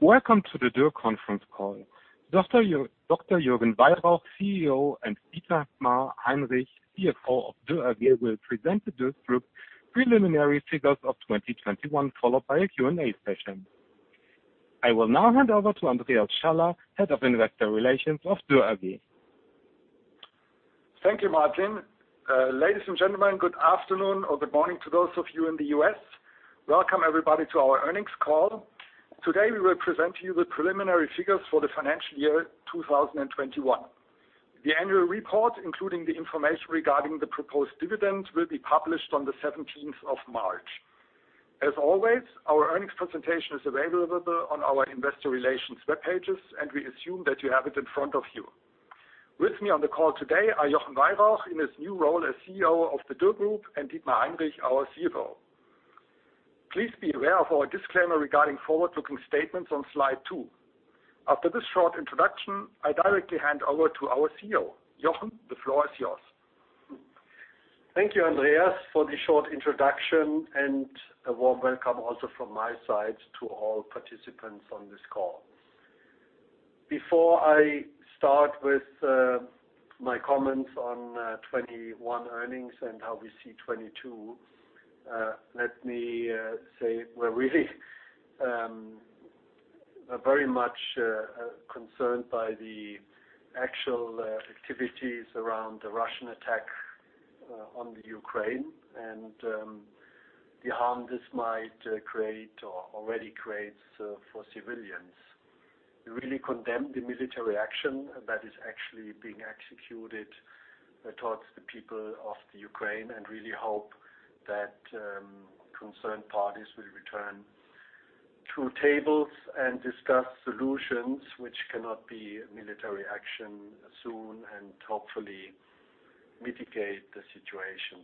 Welcome to the Dürr conference call. Dr. Jochen Weyrauch, CEO, and Dietmar Heinrich, CFO of Dürr AG, will present the Dürr Group preliminary figures of 2021, followed by a Q&A session. I will now hand over to Andreas Schaller, Head of Investor Relations of Dürr AG. Thank you, Martin. Ladies and gentlemen, good afternoon, or good morning to those of you in the U.S. Welcome everybody to our earnings call. Today, we will present to you the preliminary figures for the financial year, 2021. The annual report, including the information regarding the proposed dividends, will be published on the 17th of March. As always, our earnings presentation is available on our investor relations web pages, and we assume that you have it in front of you. With me on the call today are Jochen Weyrauch in his new role as CEO of the Dürr Group and Dietmar Heinrich, our CFO. Please be aware of our disclaimer regarding forward-looking statements on slide two. After this short introduction, I directly hand over to our CEO. Jochen, the floor is yours. Thank you, Andreas, for the short introduction, and a warm welcome also from my side to all participants on this call. Before I start with my comments on 2021 earnings and how we see 2022, let me say we're really very much concerned by the actual activities around the Russian attack on the Ukraine and the harm this might create or already creates for civilians. We really condemn the military action that is actually being executed towards the people of the Ukraine and really hope that concerned parties will return to tables and discuss solutions which cannot be military action soon and hopefully mitigate the situation.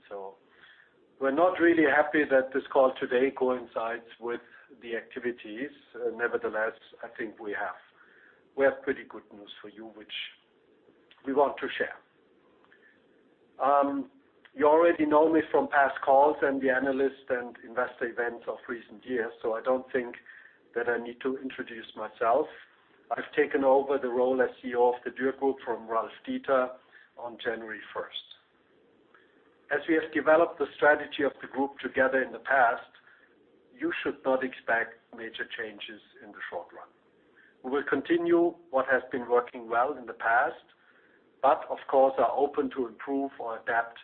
We're not really happy that this call today coincides with the activities. Nevertheless, I think we have pretty good news for you, which we want to share. You already know me from past calls and the analyst and investor events of recent years, so I don't think that I need to introduce myself. I've taken over the role as CEO of the Dürr Group from Ralf Dieter on January 1st. As we have developed the strategy of the group together in the past, you should not expect major changes in the short run. We will continue what has been working well in the past, but of course, are open to improve or adapt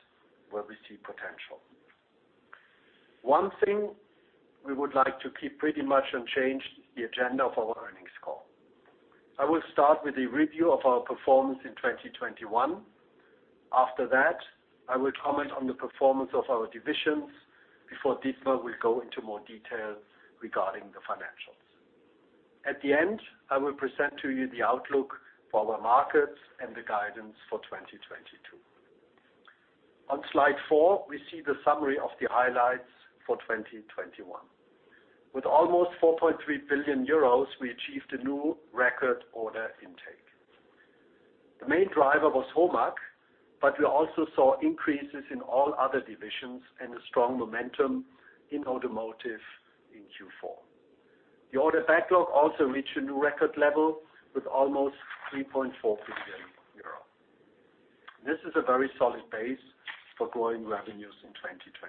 where we see potential. One thing we would like to keep pretty much unchanged, the agenda of our earnings call. I will start with a review of our performance in 2021. After that, I will comment on the performance of our divisions before Dietmar will go into more details regarding the financials. At the end, I will present to you the outlook for our markets and the guidance for 2022. On slide four, we see the summary of the highlights for 2021. With almost 4.3 billion euros, we achieved a new record order intake. The main driver was HOMAG, but we also saw increases in all other divisions and a strong momentum in automotive in Q4. The order backlog also reached a new record level with almost 3.4 billion euro. This is a very solid base for growing revenues in 2022.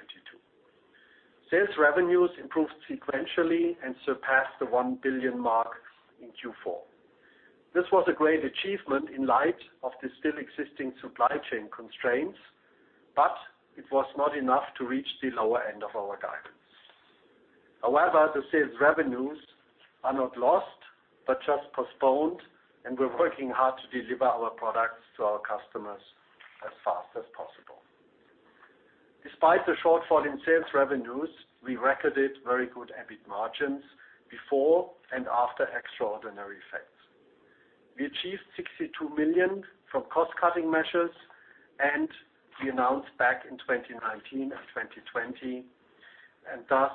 Sales revenues improved sequentially and surpassed the 1 billion mark in Q4. This was a great achievement in light of the still existing supply chain constraints, but it was not enough to reach the lower end of our guidance. However, the sales revenues are not lost, but just postponed, and we're working hard to deliver our products to our customers as fast as possible. Despite the shortfall in sales revenues, we recorded very good EBIT margins before and after extraordinary effects. We achieved 62 million from cost-cutting measures, and we announced back in 2019 and 2020, and thus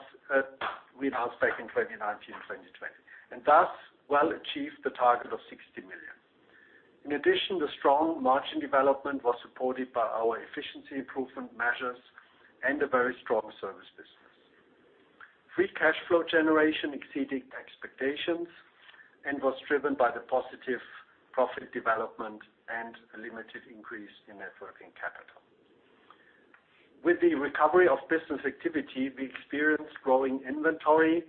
well achieved the target of 60 million. In addition, the strong margin development was supported by our efficiency improvement measures and a very strong service business. Free cash flow generation exceeded expectations and was driven by the positive profit development and a limited increase in net working capital. With the recovery of business activity, we experienced growing inventory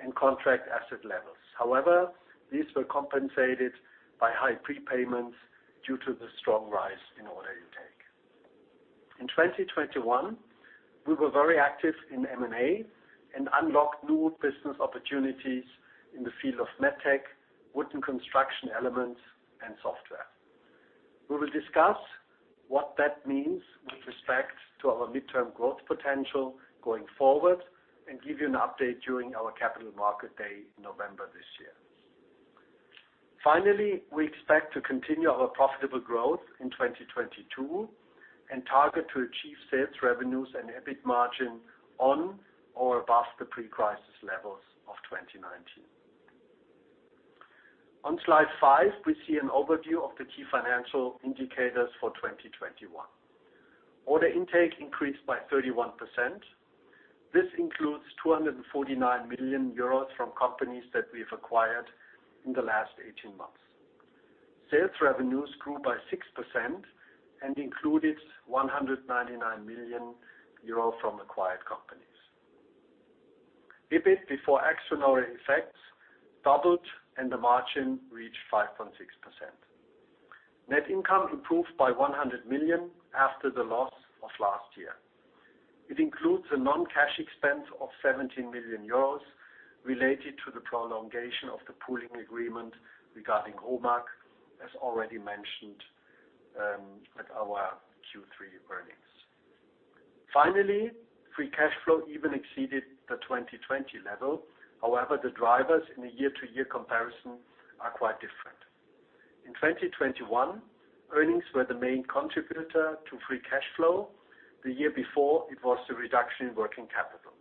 and contract asset levels. However, these were compensated by high prepayments due to the strong rise in order intake. In 2021, we were very active in M&A and unlocked new business opportunities in the field of med tech, wooden construction elements, and software. We will discuss what that means with respect to our midterm growth potential going forward and give you an update during our capital market day in November this year. We expect to continue our profitable growth in 2022 and target to achieve sales revenues and EBIT margin on or above the pre-crisis levels of 2019. On slide five, we see an overview of the key financial indicators for 2021. Order intake increased by 31%. This includes 249 million euros from companies that we've acquired in the last 18 months. Sales revenues grew by 6% and included 199 million euro from acquired companies. EBIT before extraordinary effects doubled, and the margin reached 5.6%. Net income improved by 100 million after the loss of last year. It includes a non-cash expense of 17 million euros related to the prolongation of the pooling agreement regarding HOMAG, as already mentioned, at our Q3 earnings. Finally, free cash flow even exceeded the 2020 level. However, the drivers in the year-to-year comparison are quite different. In 2021, earnings were the main contributor to free cash flow. The year before, it was the reduction in working capital.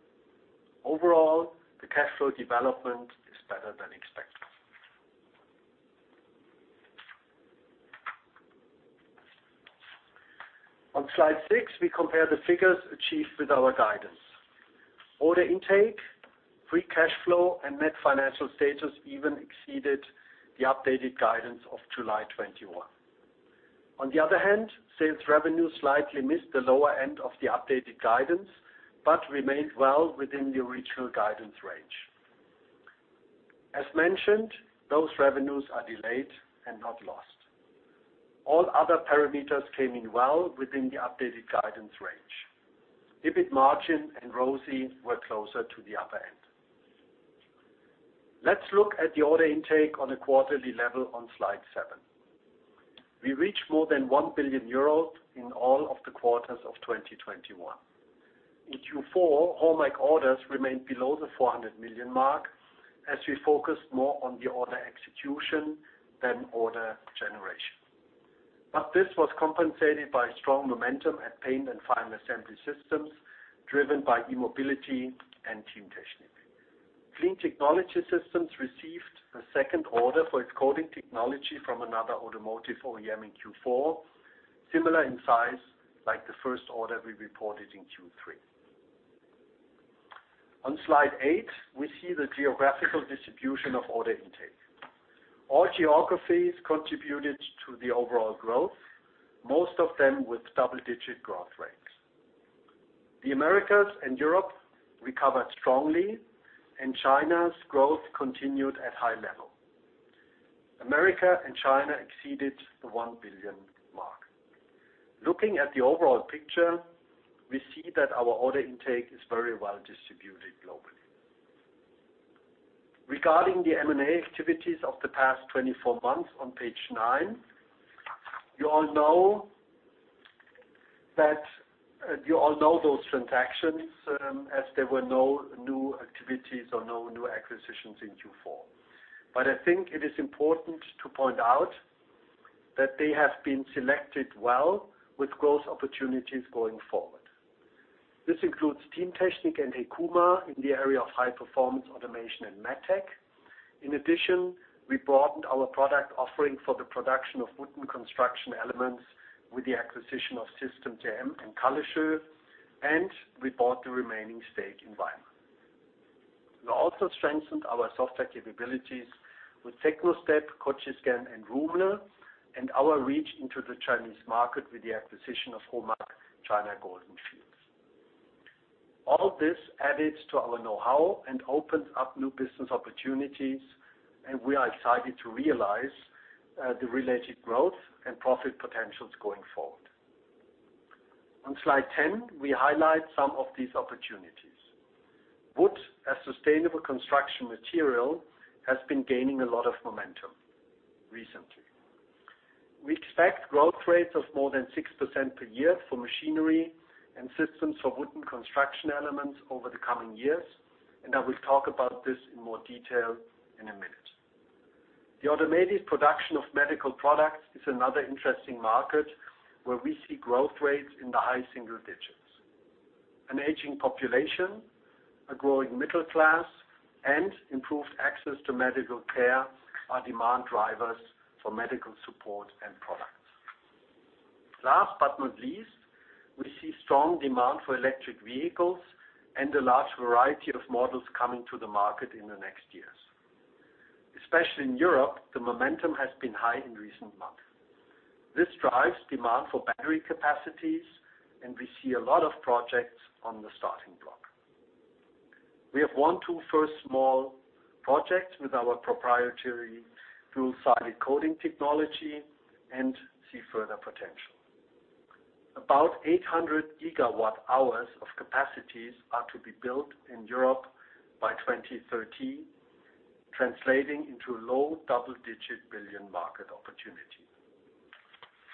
Overall, the cash flow development is better than expected. On slide six, we compare the figures achieved with our guidance. Order intake, free cash flow, and net financial status even exceeded the updated guidance of July 2021. On the other hand, sales revenue slightly missed the lower end of the updated guidance, but remained well within the original guidance range. As mentioned, those revenues are delayed and not lost. All other parameters came in well within the updated guidance range. EBIT margin and ROSI were closer to the upper end. Let's look at the order intake on a quarterly level on slide seven. We reached more than 1 billion euros in all of the quarters of 2021. In Q4, HOMAG orders remained below the 400 million mark, as we focused more on the order execution than order generation. This was compensated by strong momentum at Paint and Final Assembly Systems, driven by e-mobility and Teamtechnik. Clean Technology Systems received a second order for its coating technology from another automotive OEM in Q4, similar in size like the first order we reported in Q3. On slide eight, we see the geographical distribution of order intake. All geographies contributed to the overall growth, most of them with double-digit growth rates. The Americas and Europe recovered strongly, and China's growth continued at high level. America and China exceeded the 1 billion mark. Looking at the overall picture, we see that our order intake is very well-distributed globally. Regarding the M&A activities of the past 24 months on page nine, you all know those transactions, as there were no new activities or no new acquisitions in Q4. I think it is important to point out that they have been selected well with growth opportunities going forward. This includes Teamtechnik and Hekuma in the area of high-performance automation and med tech. In addition, we broadened our product offering for the production of wooden construction elements with the acquisition of System TM and Kallesoe, and we bought the remaining stake in WEIMA. We also strengthened our software capabilities with Techno-Step, Cogiscan, and Roomle, and our reach into the Chinese market with the acquisition of HOMAG China Golden Field. All this adds to our know-how and opens up new business opportunities, and we are excited to realize the related growth and profit potentials going forward. On slide 10, we highlight some of these opportunities. Wood, a sustainable construction material, has been gaining a lot of momentum recently. We expect growth rates of more than 6% per year for machinery and systems for wooden construction elements over the coming years, and I will talk about this in more detail in a minute. The automated production of medical products is another interesting market where we see growth rates in the high single digits. An aging population, a growing middle class, and improved access to medical care are demand drivers for medical support and products. Last but not least, we see strong demand for electric vehicles and a large variety of models coming to the market in the next years. Especially in Europe, the momentum has been high in recent months. This drives demand for battery capacities, and we see a lot of projects on the starting block. We have won two first small projects with our proprietary electrode coating technology and see further potential. About 800 GWh of capacities are to be built in Europe by 2030, translating into low double-digit billion market opportunity.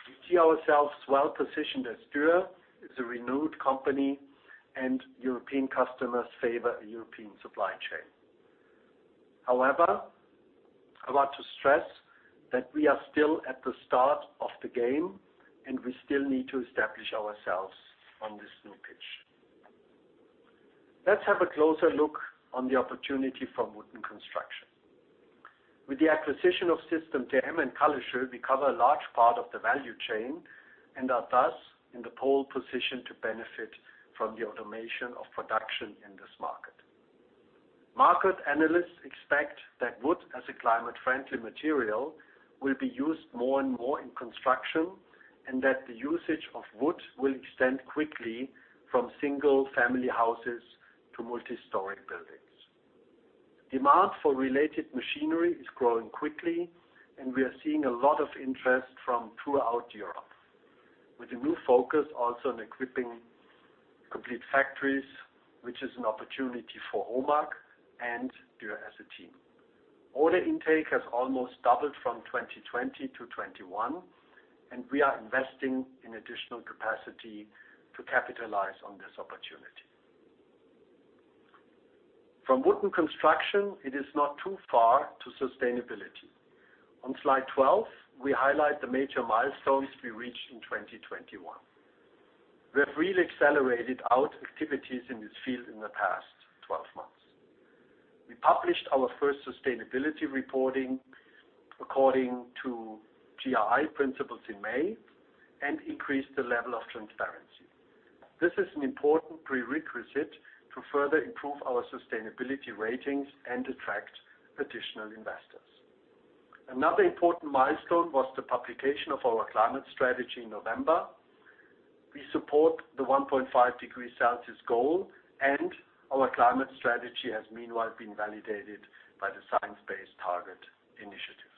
We see ourselves well-positioned as Dürr is a renowned company and European customers favor a European supply chain. However, I want to stress that we are still at the start of the game, and we still need to establish ourselves on this new pitch. Let's have a closer look on the opportunity from wooden construction. With the acquisition of System TM and Kallesoe, we cover a large part of the value chain and are thus in the pole position to benefit from the automation of production in this market. Market analysts expect that wood, as a climate-friendly material, will be used more and more in construction, and that the usage of wood will extend quickly from single-family houses to multi-story buildings. Demand for related machinery is growing quickly, and we are seeing a lot of interest from throughout Europe, with a new focus also on equipping complete factories, which is an opportunity for HOMAG and Dürr as a team. Order intake has almost doubled from 2020 to 2021, and we are investing in additional capacity to capitalize on this opportunity. From wooden construction, it is not too far to sustainability. On slide 12, we highlight the major milestones we reached in 2021. We have really accelerated our activities in this field in the past 12 months. We published our first sustainability reporting according to GRI principles in May and increased the level of transparency. This is an important prerequisite to further improve our sustainability ratings and attract additional investors. Another important milestone was the publication of our climate strategy in November. We support the 1.5 degree Celsius goal, and our climate strategy has meanwhile been validated by the Science Based Targets initiative.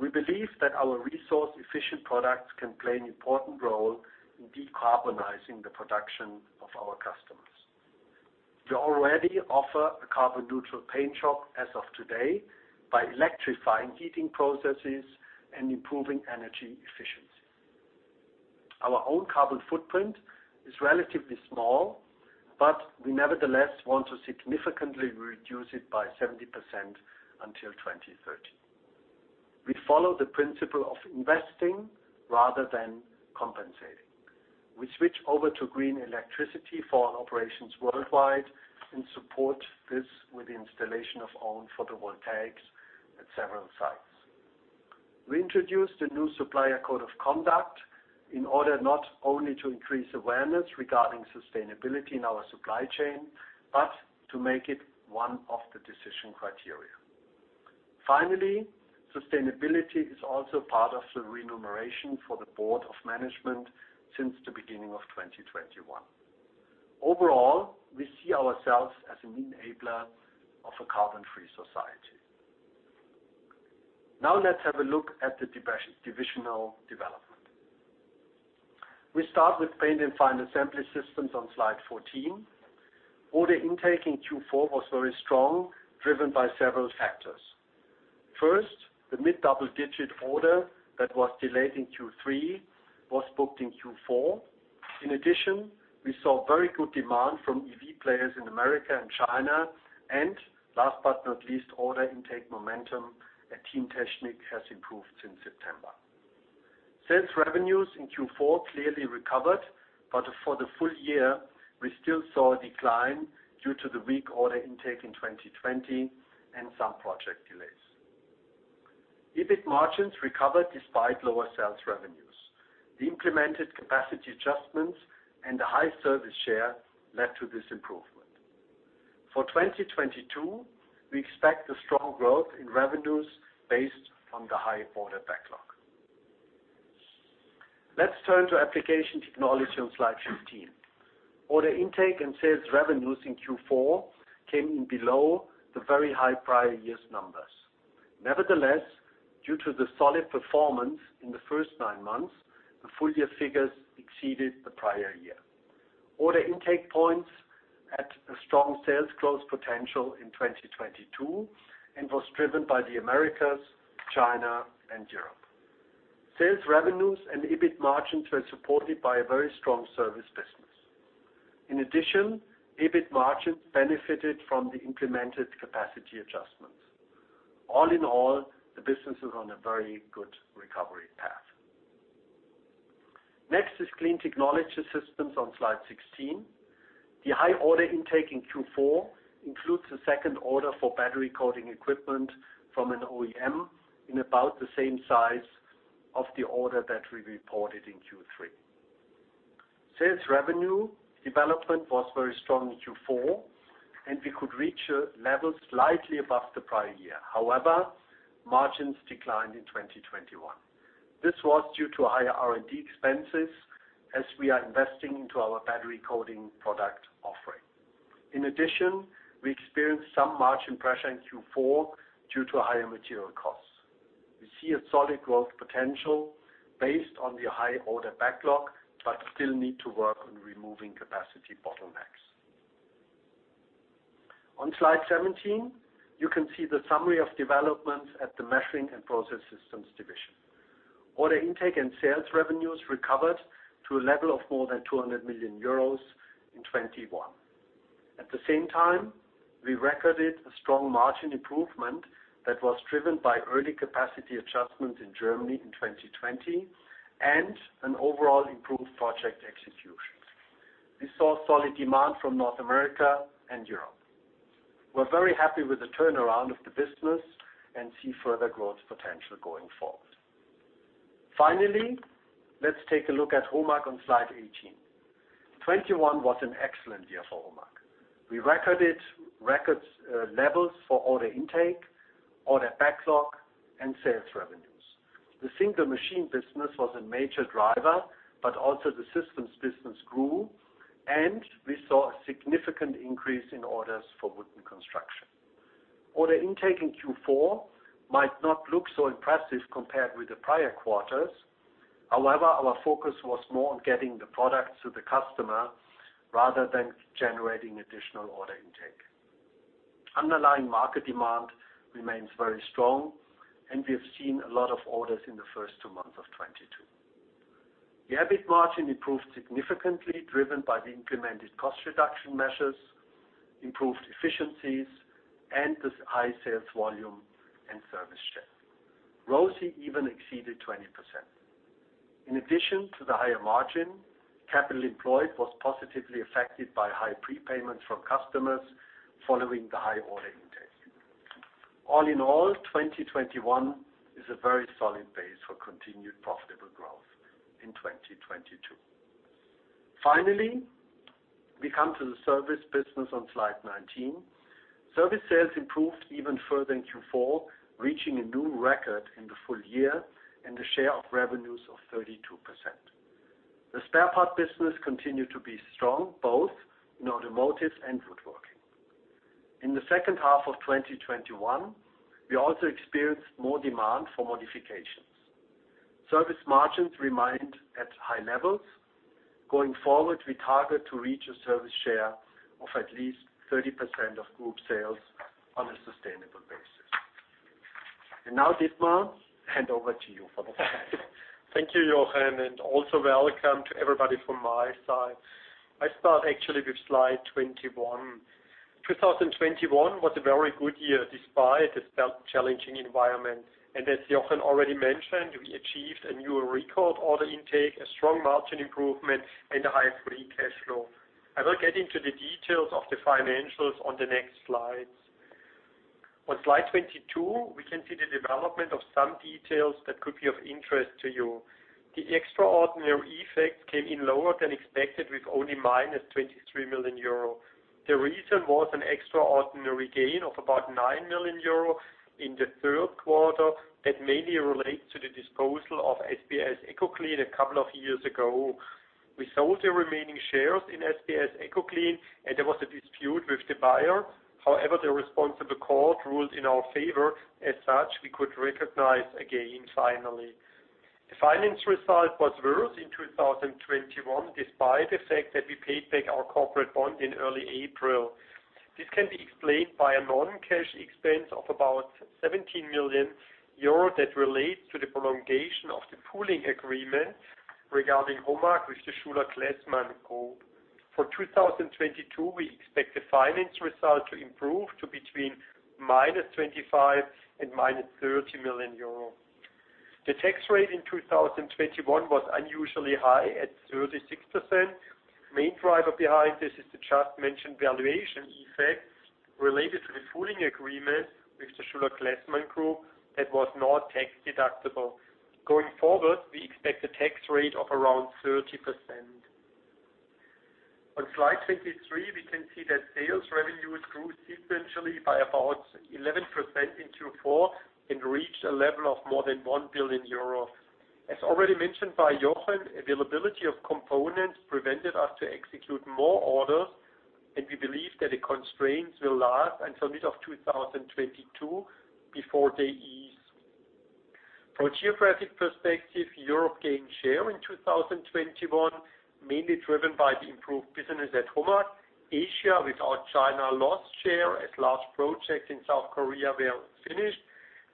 We believe that our resource-efficient products can play an important role in decarbonizing the production of our customers. We already offer a carbon-neutral paint shop as of today by electrifying heating processes and improving energy efficiency. Our own carbon footprint is relatively small, but we nevertheless want to significantly reduce it by 70% until 2030. We follow the principle of investing rather than compensating. We switch over to green electricity for our operations worldwide and support this with the installation of own photovoltaics at several sites. We introduced a new supplier code of conduct in order not only to increase awareness regarding sustainability in our supply chain, but to make it one of the decision criteria. Finally, sustainability is also part of the remuneration for the board of management since the beginning of 2021. Overall, we see ourselves as an enabler of a carbon-free society. Now let's have a look at the divisional development. We start with Paint and Final Assembly Systems on slide 14. Order intake in Q4 was very strong, driven by several factors. First, the mid-double-digit order that was delayed in Q3 was booked in Q4. In addition, we saw very good demand from EV players in America and China. Last but not least, order intake momentum at Teamtechnik has improved since September. Sales revenues in Q4 clearly recovered, but for the full year, we still saw a decline due to the weak order intake in 2020 and some project delays. EBIT margins recovered despite lower sales revenues. The implemented capacity adjustments and the high service share led to this improvement. For 2022, we expect a strong growth in revenues based on the high order backlog. Let's turn to Application Technology on slide 15. Order intake and sales revenues in Q4 came in below the very high prior year's numbers. Nevertheless, due to the solid performance in the first nine months, the full year figures exceeded the prior year. Order intake points at a strong sales growth potential in 2022 and was driven by the Americas, China, and Europe. Sales revenues and EBIT margins were supported by a very strong service business. In addition, EBIT margins benefited from the implemented capacity adjustments. All in all, the business is on a very good recovery path. Next is Clean Technology Systems on slide 16. The high order intake in Q4 includes a second order for battery coating equipment from an OEM in about the same size of the order that we reported in Q3. Sales revenue development was very strong in Q4, and we could reach a level slightly above the prior year. However, margins declined in 2021. This was due to higher R&D expenses as we are investing into our battery coating product offering. In addition, we experienced some margin pressure in Q4 due to higher material costs. We see a solid growth potential based on the high order backlog, but still need to work on removing capacity bottlenecks. On slide 17, you can see the summary of developments at the Measuring and Process Systems division. Order intake and sales revenues recovered to a level of more than 200 million euros in 2021. At the same time, we recorded a strong margin improvement that was driven by early capacity adjustments in Germany in 2020, and an overall improved project execution. We saw solid demand from North America and Europe. We're very happy with the turnaround of the business and see further growth potential going forward. Finally, let's take a look at HOMAG on slide 18. 2021 was an excellent year for HOMAG. We recorded record levels for order intake, order backlog, and sales revenues. The single machine business was a major driver, but also the systems business grew, and we saw a significant increase in orders for wooden construction. Order intake in Q4 might not look so impressive compared with the prior quarters. However, our focus was more on getting the product to the customer rather than generating additional order intake. Underlying market demand remains very strong, and we have seen a lot of orders in the first two months of 2022. The EBIT margin improved significantly, driven by the implemented cost reduction measures, improved efficiencies, and the high sales volume and service share. ROCE even exceeded 20%. In addition to the higher margin, capital employed was positively affected by high prepayments from customers following the high order intake. All in all, 2021 is a very solid base for continued profitable growth in 2022. Finally, we come to the service business on slide 19. Service sales improved even further in Q4, reaching a new record in the full year and a share of revenues of 32%. The spare part business continued to be strong, both in automotive and woodworking. In the second half of 2021, we also experienced more demand for modifications. Service margins remained at high levels. Going forward, we target to reach a service share of at least 30% of group sales on a sustainable basis. Now, Dietmar, hand over to you for the financials. Thank you, Jochen, and also welcome to everybody from my side. I start actually with slide 21. 2021 was a very good year, despite the challenging environment. As Jochen already mentioned, we achieved a new record order intake, a strong margin improvement, and a higher free cash flow. I will get into the details of the financials on the next slides. On slide 22, we can see the development of some details that could be of interest to you. The extraordinary effects came in lower than expected, with only -23 million euro. The reason was an extraordinary gain of about 9 million euro in the third quarter that mainly relates to the disposal of SBS Ecoclean a couple of years ago. We sold the remaining shares in SBS Ecoclean, and there was a dispute with the buyer. However, the responsible court ruled in our favor. As such, we could recognize a gain finally. The finance result was worse in 2021, despite the fact that we paid back our corporate bond in early April. This can be explained by a non-cash expense of about 17 million euro that relates to the prolongation of the pooling agreement regarding HOMAG with the Schuler/Klessmann Group. For 2022, we expect the finance result to improve to between -25 million and -30 million euro. The tax rate in 2021 was unusually high at 36%. Main driver behind this is the just-mentioned valuation effect related to the pooling agreement with the Schuler/Klessmann Group that was not tax-deductible. Going forward, we expect a tax rate of around 30%. On slide 23, we can see that sales revenues grew sequentially by about 11% in Q4 and reached a level of more than 1 billion euro. As already mentioned by Jochen, availability of components prevented us to execute more orders, and we believe that the constraints will last until mid of 2022 before they ease. From geographic perspective, Europe gained share in 2021, mainly driven by the improved business at HOMAG. Asia, without China, lost share as large projects in South Korea were finished.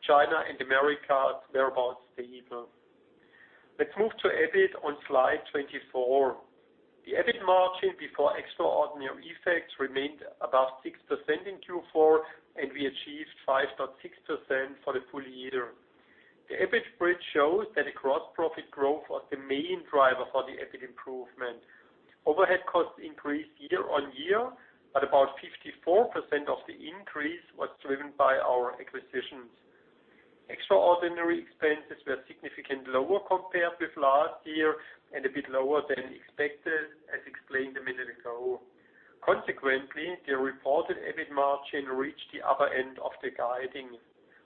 China and America were about stable. Let's move to EBIT on slide 24. The EBIT margin before extraordinary effects remained above 6% in Q4, and we achieved 5.6% for the full year. The EBIT bridge shows that the gross profit growth was the main driver for the EBIT improvement. Overhead costs increased year-on-year, but about 54% of the increase was driven by our acquisitions. Extraordinary expenses were significantly lower compared with last year and a bit lower than expected, as explained a minute ago. Consequently, the reported EBIT margin reached the upper end of the guiding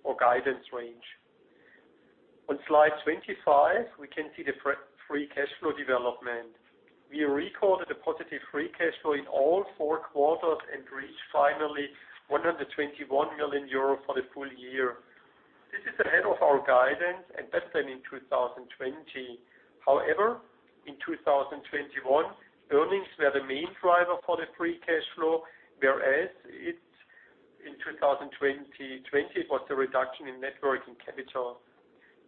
or guidance range. On slide 25, we can see the pre-free cash flow development. We recorded a positive free cash flow in all four quarters and reached finally 121 million euro for the full year. This is ahead of our guidance and better than in 2020. However, in 2021, earnings were the main driver for the free cash flow, whereas in 2020, it was the reduction in net working capital.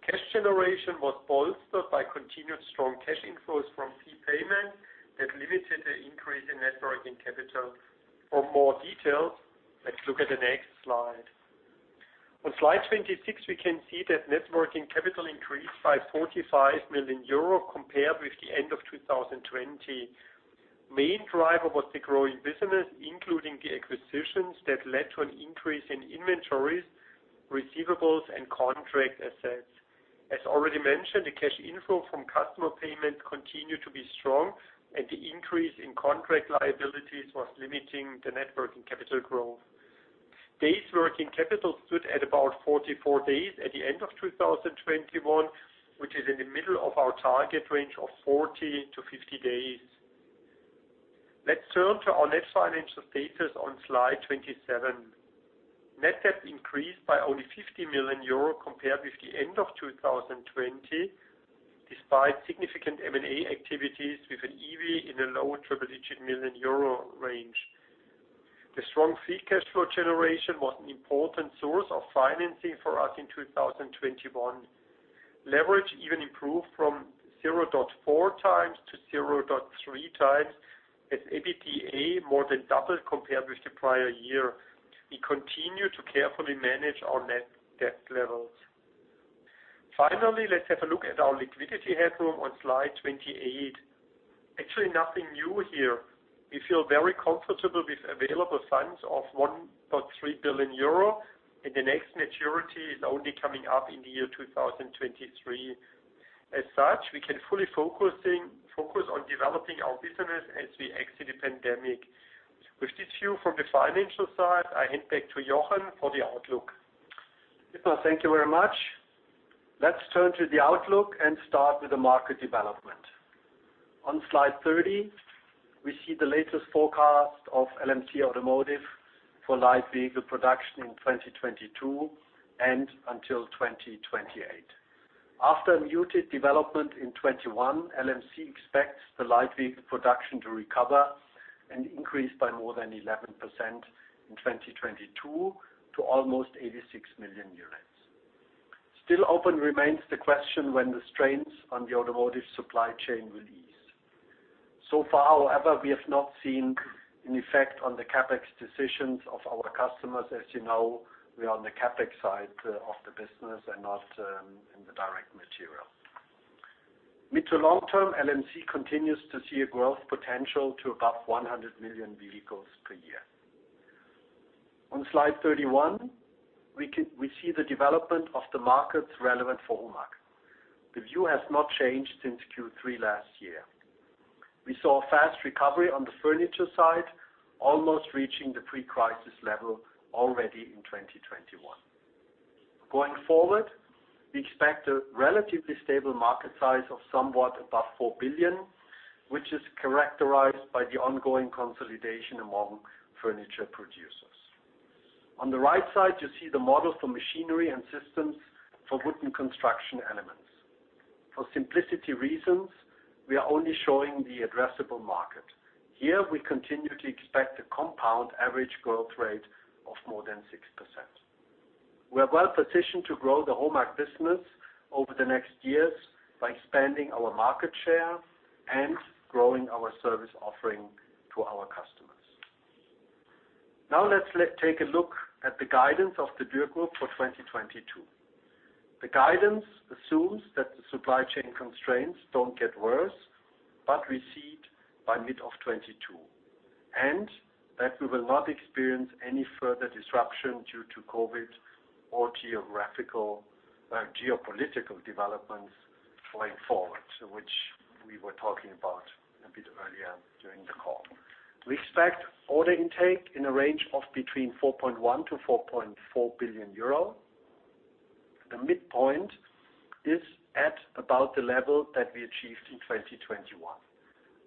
Cash generation was bolstered by continued strong cash inflows from fee payments that limited the increase in net working capital. For more details, let's look at the next slide. On slide 26, we can see that net working capital increased by 45 million euro compared with the end of 2020. Main driver was the growing business, including the acquisitions that led to an increase in inventories, receivables, and contract assets. As already mentioned, the cash inflow from customer payments continued to be strong, and the increase in contract liabilities was limiting the net working capital growth. Days working capital stood at about 44 days at the end of 2021, which is in the middle of our target range of 40-50 days. Let's turn to our net financial status on slide 27. Net debt increased by only 50 million euro compared with the end of 2020, despite significant M&A activities with an EV in the low triple-digit million euro range. The strong free cash flow generation was an important source of financing for us in 2021. Leverage even improved from 0.4x to 0.3x, as EBITDA more than doubled compared with the prior year. We continue to carefully manage our net debt levels. Finally, let's have a look at our liquidity headroom on slide 28. Actually, nothing new here. We feel very comfortable with available funds of 1.3 billion euro, and the next maturity is only coming up in the year 2023. As such, we can fully focus on developing our business as we exit the pandemic. With this view from the financial side, I hand back to Jochen for the outlook. Dietmar, thank you very much. Let's turn to the outlook and start with the market development. On slide 30, we see the latest forecast of LMC Automotive for light vehicle production in 2022 and until 2028. After muted development in 2021, LMC expects the light vehicle production to recover and increase by more than 11% in 2022 to almost 86 million units. Still open remains the question when the strains on the automotive supply chain will ease. So far, however, we have not seen an effect on the CapEx decisions of our customers. As you know, we are on the CapEx side of the business and not in the direct material. Mid- to long-term, LMC continues to see a growth potential to above 100 million vehicles per year. On slide 31, we see the development of the markets relevant for HOMAG. The view has not changed since Q3 last year. We saw a fast recovery on the furniture side, almost reaching the pre-crisis level already in 2021. Going forward, we expect a relatively stable market size of somewhat above 4 billion, which is characterized by the ongoing consolidation among furniture producers. On the right side, you see the models for machinery and systems for wooden construction elements. For simplicity reasons, we are only showing the addressable market. Here, we continue to expect a compound average growth rate of more than 6%. We are well-positioned to grow the HOMAG business over the next years by expanding our market share and growing our service offering to our customers. Now let's take a look at the guidance of the Dürr Group for 2022. The guidance assumes that the supply chain constraints don't get worse, but recede by mid-2022, and that we will not experience any further disruption due to COVID or geographical, geopolitical developments going forward, so, which we were talking about a bit earlier during the call. We expect order intake in a range of between 4.1 billion-4.4 billion euro. The midpoint is at about the level that we achieved in 2021.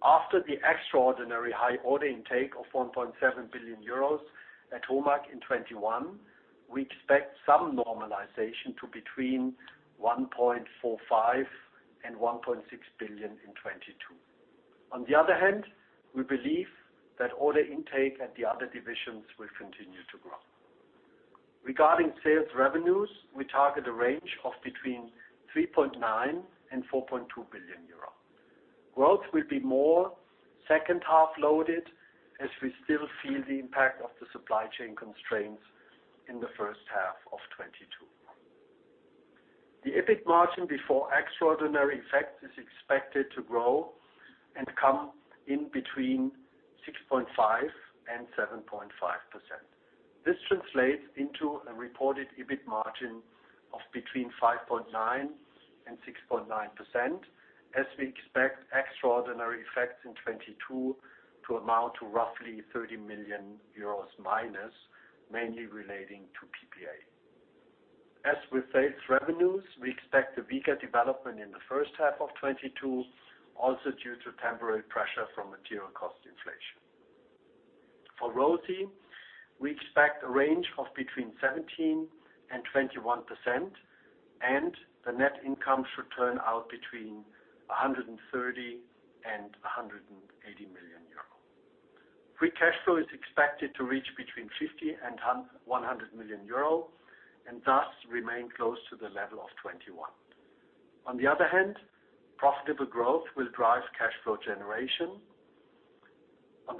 After the extraordinary high order intake of 1.7 billion euros at HOMAG in 2021, we expect some normalization to between 1.45 billion and 1.6 billion in 2022. On the other hand, we believe that order intake at the other divisions will continue to grow. Regarding sales revenues, we target a range of between 3.9 billion and 4.2 billion euro. Growth will be more second-half loaded as we still feel the impact of the supply chain constraints in the first half of 2022. The EBIT margin before extraordinary effects is expected to grow and come in between 6.5% and 7.5%. This translates into a reported EBIT margin of between 5.9% and 6.9%, as we expect extraordinary effects in 2022 to amount to roughly -30 million euros, mainly relating to PPA. As with sales revenues, we expect a weaker development in the first half of 2022, also due to temporary pressure from material cost inflation. For ROCE, we expect a range of between 17% and 21%, and the net income should turn out between 130 million and 180 million euro. Free cash flow is expected to reach between 50 million and 100 million euro, and thus remain close to the level of 2021. On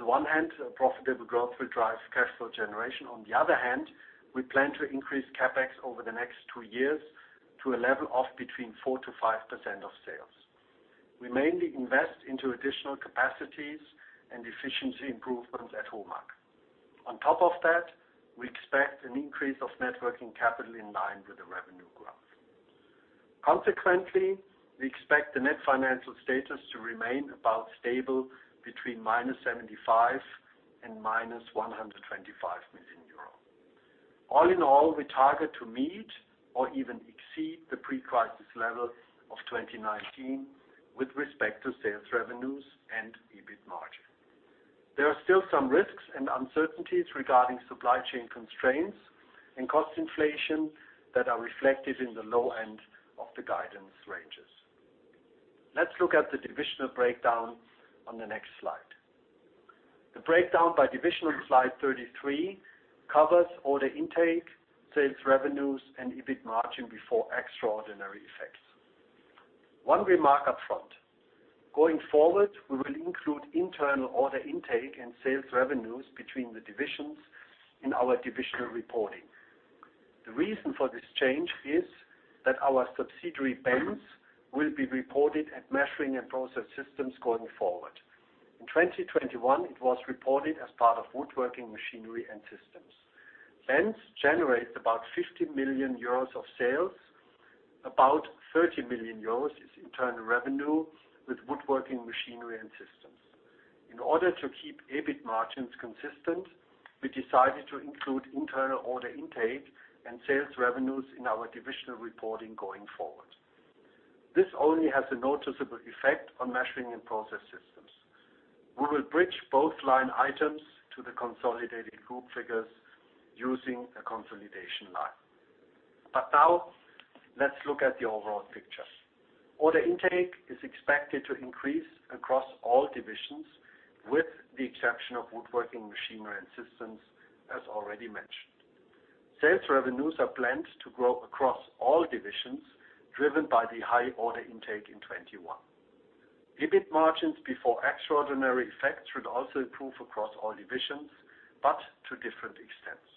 one hand, profitable growth will drive cash flow generation. On the other hand, we plan to increase CapEx over the next two years to a level of between 4%-5% of sales. We mainly invest into additional capacities and efficiency improvements at HOMAG. On top of that, we expect an increase of net working capital in line with the revenue growth. Consequently, we expect the net financial status to remain about stable between -75 million and -125 million euro. All in all, we target to meet or even exceed the pre-crisis level of 2019 with respect to sales revenues and EBIT margin. There are still some risks and uncertainties regarding supply chain constraints and cost inflation that are reflected in the low end of the guidance ranges. Let's look at the divisional breakdown on the next slide. The breakdown by division on slide 33 covers order intake, sales revenues, and EBIT margin before extraordinary effects. One remark up front. Going forward, we will include internal order intake and sales revenues between the divisions in our divisional reporting. The reason for this change is that our subsidiary, BENZ, will be reported at Measuring and Process Systems going forward. In 2021, it was reported as part of Woodworking Machinery and Systems. BENZ generates about 50 million euros of sales. About 30 million euros is internal revenue with Woodworking Machinery and Systems. In order to keep EBIT margins consistent, we decided to include internal order intake and sales revenues in our divisional reporting going forward. This only has a noticeable effect on Measuring and Process Systems. We will bridge both line items to the consolidated group figures using a consolidation line. Now let's look at the overall picture. Order intake is expected to increase across all divisions, with the exception of Woodworking Machinery and Systems, as already mentioned. Sales revenues are planned to grow across all divisions, driven by the high order intake in 2021. EBIT margins before extraordinary effects should also improve across all divisions, but to different extents.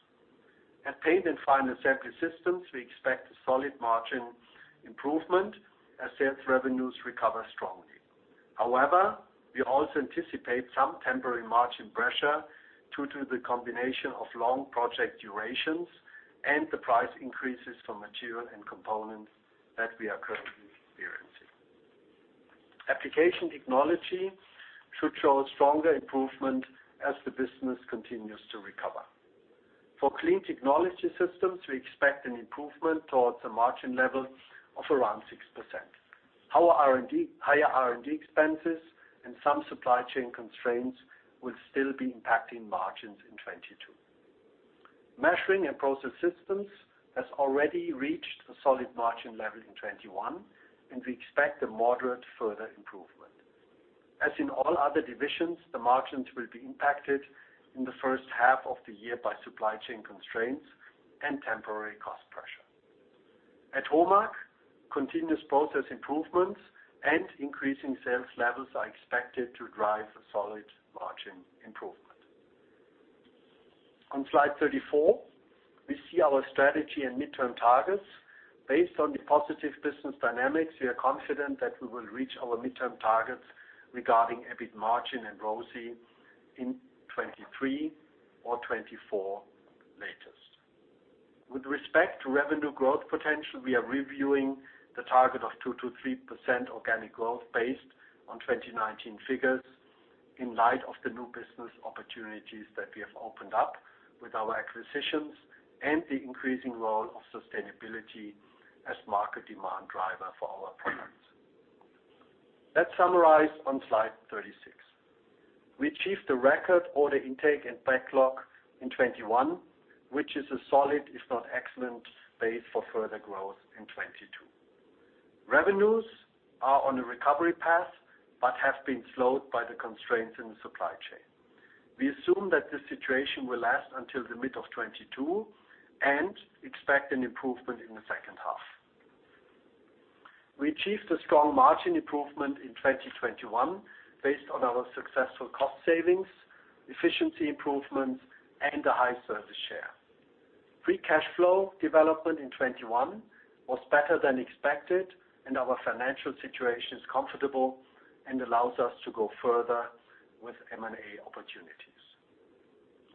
At Paint and Final Assembly Systems, we expect a solid margin improvement as sales revenues recover strongly. However, we also anticipate some temporary margin pressure due to the combination of long project durations and the price increases for material and components that we are currently experiencing. Application Technology should show stronger improvement as the business continues to recover. For Clean Technology Systems, we expect an improvement towards a margin level of around 6%. Higher R&D expenses and some supply chain constraints will still be impacting margins in 2022. Measuring and Process Systems has already reached a solid margin level in 2021, and we expect a moderate further improvement. As in all other divisions, the margins will be impacted in the first half of the year by supply chain constraints and temporary cost pressure. At HOMAG, continuous process improvements and increasing sales levels are expected to drive a solid margin improvement. On slide 34, we see our strategy and midterm targets. Based on the positive business dynamics, we are confident that we will reach our midterm targets regarding EBIT margin and ROCE in 2023 or 2024 latest. With respect to revenue growth potential, we are reviewing the target of 2%-3% organic growth based on 2019 figures in light of the new business opportunities that we have opened up with our acquisitions and the increasing role of sustainability as market demand driver for our products. Let's summarize on slide 36. We achieved a record order intake and backlog in 2021, which is a solid, if not excellent, base for further growth in 2022. Revenues are on a recovery path, but have been slowed by the constraints in the supply chain. We assume that this situation will last until the mid of 2022 and expect an improvement in the second half. We achieved a strong margin improvement in 2021 based on our successful cost savings, efficiency improvements, and a high service share. Free cash flow development in 2021 was better than expected, and our financial situation is comfortable and allows us to go further with M&A opportunities.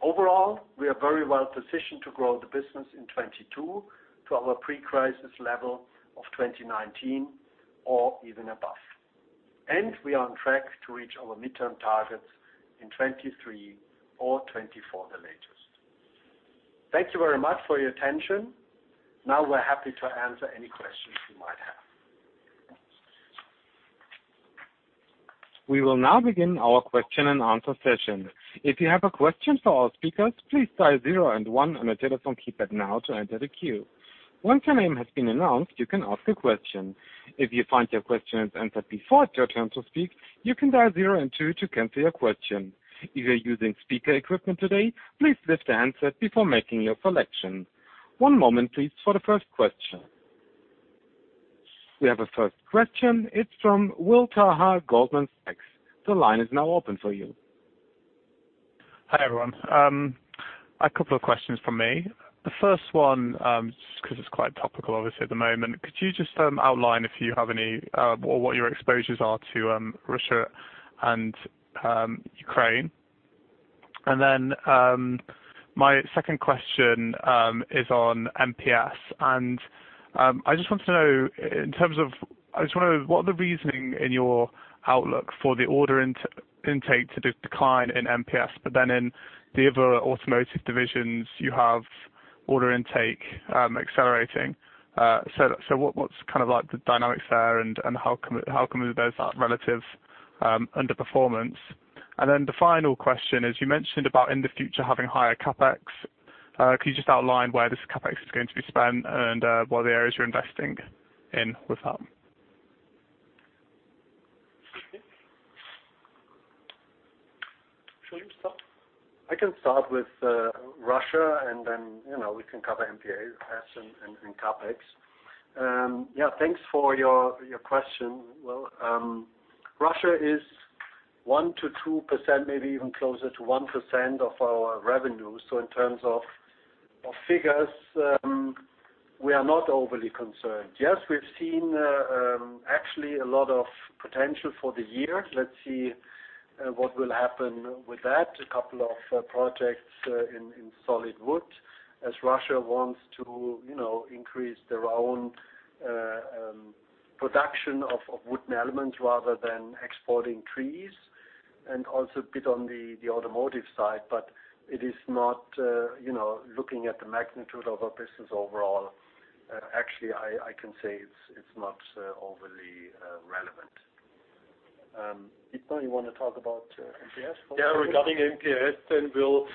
Overall, we are very well positioned to grow the business in 2022 to our pre-crisis level of 2019 or even above. We are on track to reach our midterm targets in 2023 or 2024 the latest. Thank you very much for your attention. Now we're happy to answer any questions you might have. We will now begin our question-and-answer session. If you have a question for our speakers, please dial zero and one on your telephone keypad now to enter the queue. Once your name has been announced, you can ask a question. If you find your question is answered before it's your turn to speak, you can dial zero and two to cancel your question. If you're using speaker equipment today, please lift the handset before making your selection. One moment please for the first question. We have a first question. It's from Will Turner, Goldman Sachs. The line is now open for you. Hi, everyone. A couple of questions from me. The first one, just 'cause it's quite topical, obviously, at the moment. Could you just outline if you have any, or what your exposures are to, Russia and, Ukraine? My second question is on MPS. I just want to know—I just wonder what the reasoning in your outlook for the order intake to decline in MPS, but then in the other automotive divisions you have order intake accelerating. What's kind of like the dynamics there and how come there's that relative underperformance? The final question is, you mentioned about in the future having higher CapEx. Can you just outline where this CapEx is going to be spent and, what the areas you're investing in with that? Should you start? I can start with Russia and then, you know, we can cover MPS and CapEx. Yeah, thanks for your question. Well, Russia is 1%-2%, maybe even closer to 1% of our revenue. So in terms of figures, we are not overly concerned. Yes, we've seen actually a lot of potential for the year. Let's see what will happen with that. A couple of projects in solid wood as Russia wants to, you know, increase their own production of wooden elements rather than exporting trees, and also a bit on the automotive side. But it is not, you know, looking at the magnitude of our business overall. Actually, I can say it's not overly relevant. Dietmar, now you wanna talk about MPS for a second? Yeah, regarding MPS then, Will,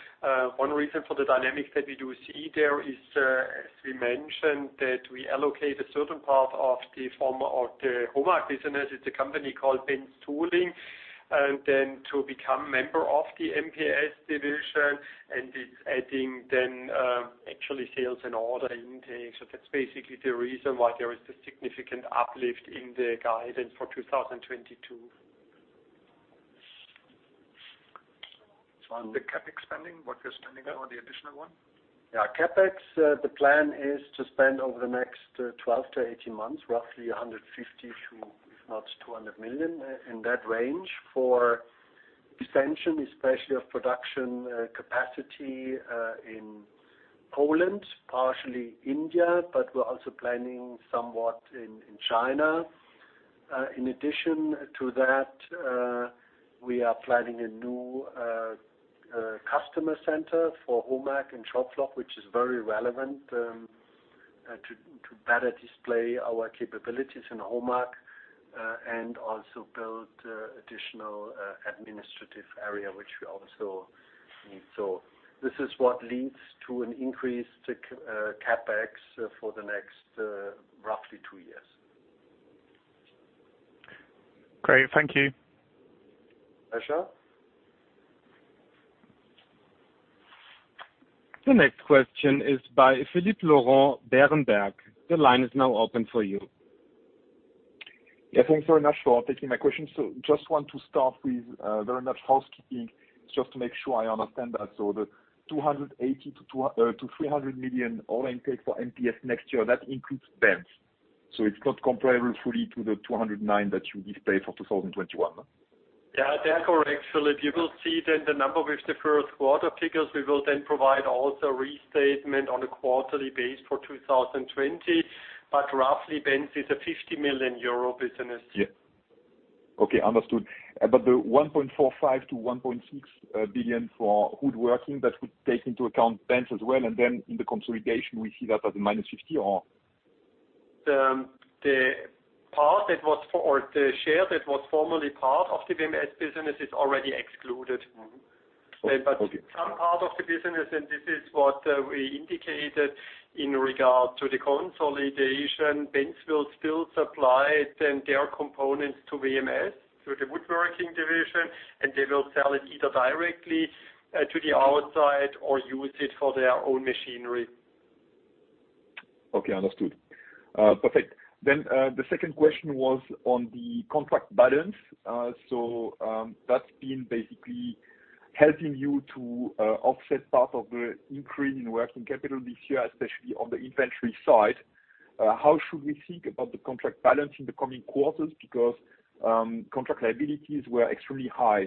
one reason for the dynamics that we do see there is, as we mentioned, that we allocate a certain part of the HOMAG business. It's a company called BENZ Tooling, and then to become member of the MPS division and it's adding then, actually sales and order intake. That's basically the reason why there is a significant uplift in the guidance for 2022. On the CapEx spending, what you're spending on the additional one? Yeah, CapEx, the plan is to spend over the next 12 to 18 months, roughly 150 million to, if not 200 million, in that range, for extension, especially of production capacity in Poland, partially in India, but we're also planning somewhat in China. In addition to that, we are planning a new customer center for HOMAG and Schopfloch, which is very relevant to better display our capabilities in HOMAG and also build additional administrative area which we also need. This is what leads to an increase to CapEx for the next, roughly two years. Great. Thank you. Pleasure. The next question is by Philippe Lorrain, Berenberg. The line is now open for you. Yeah, thanks very much for taking my question. Just want to start with very much housekeeping just to make sure I understand that. The 280 million-300 million order intake for MPS next year, that includes BENZ. It's not comparable fully to the 209 million that you displayed for 2021. Yeah. That's correct, Philippe. You will see then the number with the first quarter figures. We will then provide also restatement on a quarterly basis for 2020. Roughly, BENZ is a 50 million euro business. Yeah. Okay. Understood. The 1.45 billion-1.6 billion for woodworking, that would take into account BENZ as well. Then in the consolidation we see that as a -50 million or? The share that was formerly part of the WMS business is already excluded. Okay. Some part of the business, and this is what we indicated in regard to the consolidation, BENZ will still supply their components to WMS through the Woodworking Division, and they will sell it either directly to the outside or use it for their own machinery. Okay. Understood. Perfect. The second question was on the contract balance. That's been basically helping you to offset part of the increase in working capital this year, especially on the inventory side. How should we think about the contract balance in the coming quarters? Because contract liabilities were extremely high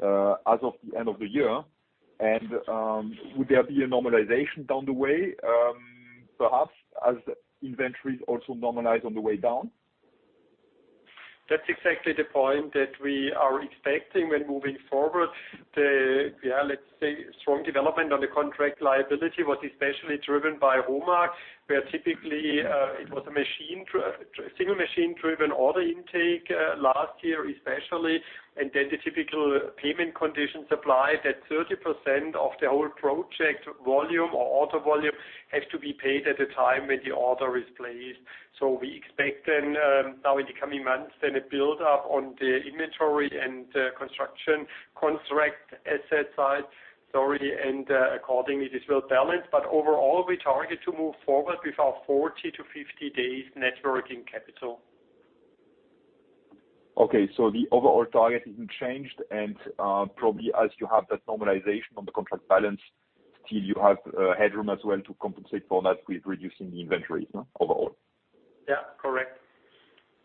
as of the end of the year. Would there be a normalization down the way, perhaps as inventories also normalize on the way down? That's exactly the point that we are expecting when moving forward. The, let's say, strong development on the contract liability was especially driven by HOMAG, where typically, it was a single machine-driven order intake, last year especially. The typical payment conditions apply, that 30% of the whole project volume or order volume has to be paid at the time when the order is placed. We expect then, now in the coming months, then a build-up on the inventory and, construction contract asset side, sorry, and, accordingly, this will balance. Overall, we target to move forward with our 40-50 days net working capital. Okay, the overall target isn't changed and, probably as you have that normalization on the contract balance, still you have headroom as well to compensate for that with reducing the inventory, no, overall? Yeah, correct.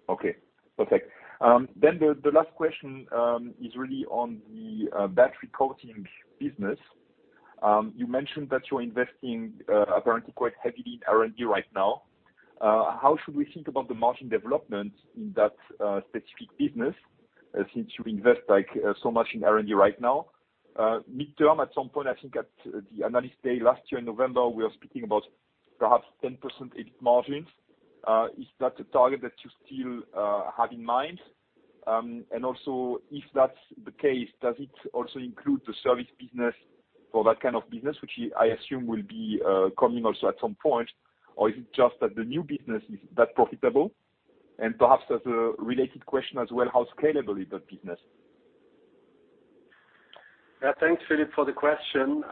Okay, perfect. The last question is really on the battery coating business. You mentioned that you're investing apparently quite heavily in R&D right now. How should we think about the margin development in that specific business since you invest, like, so much in R&D right now? Midterm, at some point, I think at the Analyst Day last year in November, we were speaking about perhaps 10% EBIT margins. Is that a target that you still have in mind? And also, if that's the case, does it also include the service business for that kind of business, which I assume will be coming also at some point? Or is it just that the new business is that profitable? And perhaps as a related question as well, how scalable is that business? Yeah, thanks, Philippe, for the question.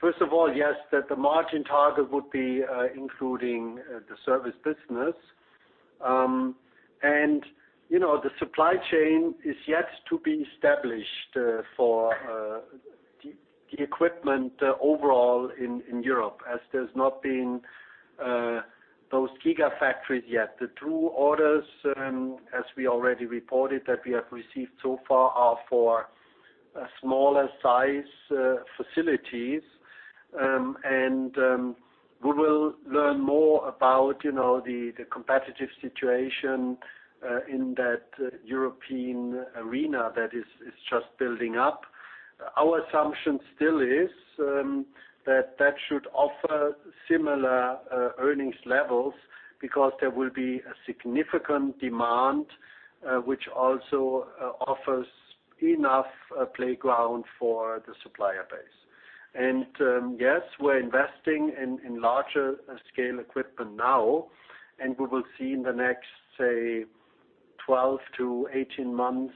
First of all, yes, that the margin target would be including the service business. You know, the supply chain is yet to be established for the equipment overall in Europe, as there's not been those gigafactories yet. The true orders, as we already reported, that we have received so far are for smaller size facilities. We will learn more about you know the competitive situation in that European arena that is just building up. Our assumption still is that should offer similar earnings levels because there will be a significant demand which also offers enough playground for the supplier base. Yes, we're investing in larger scale equipment now, and we will see in the next, say, 12-18 months,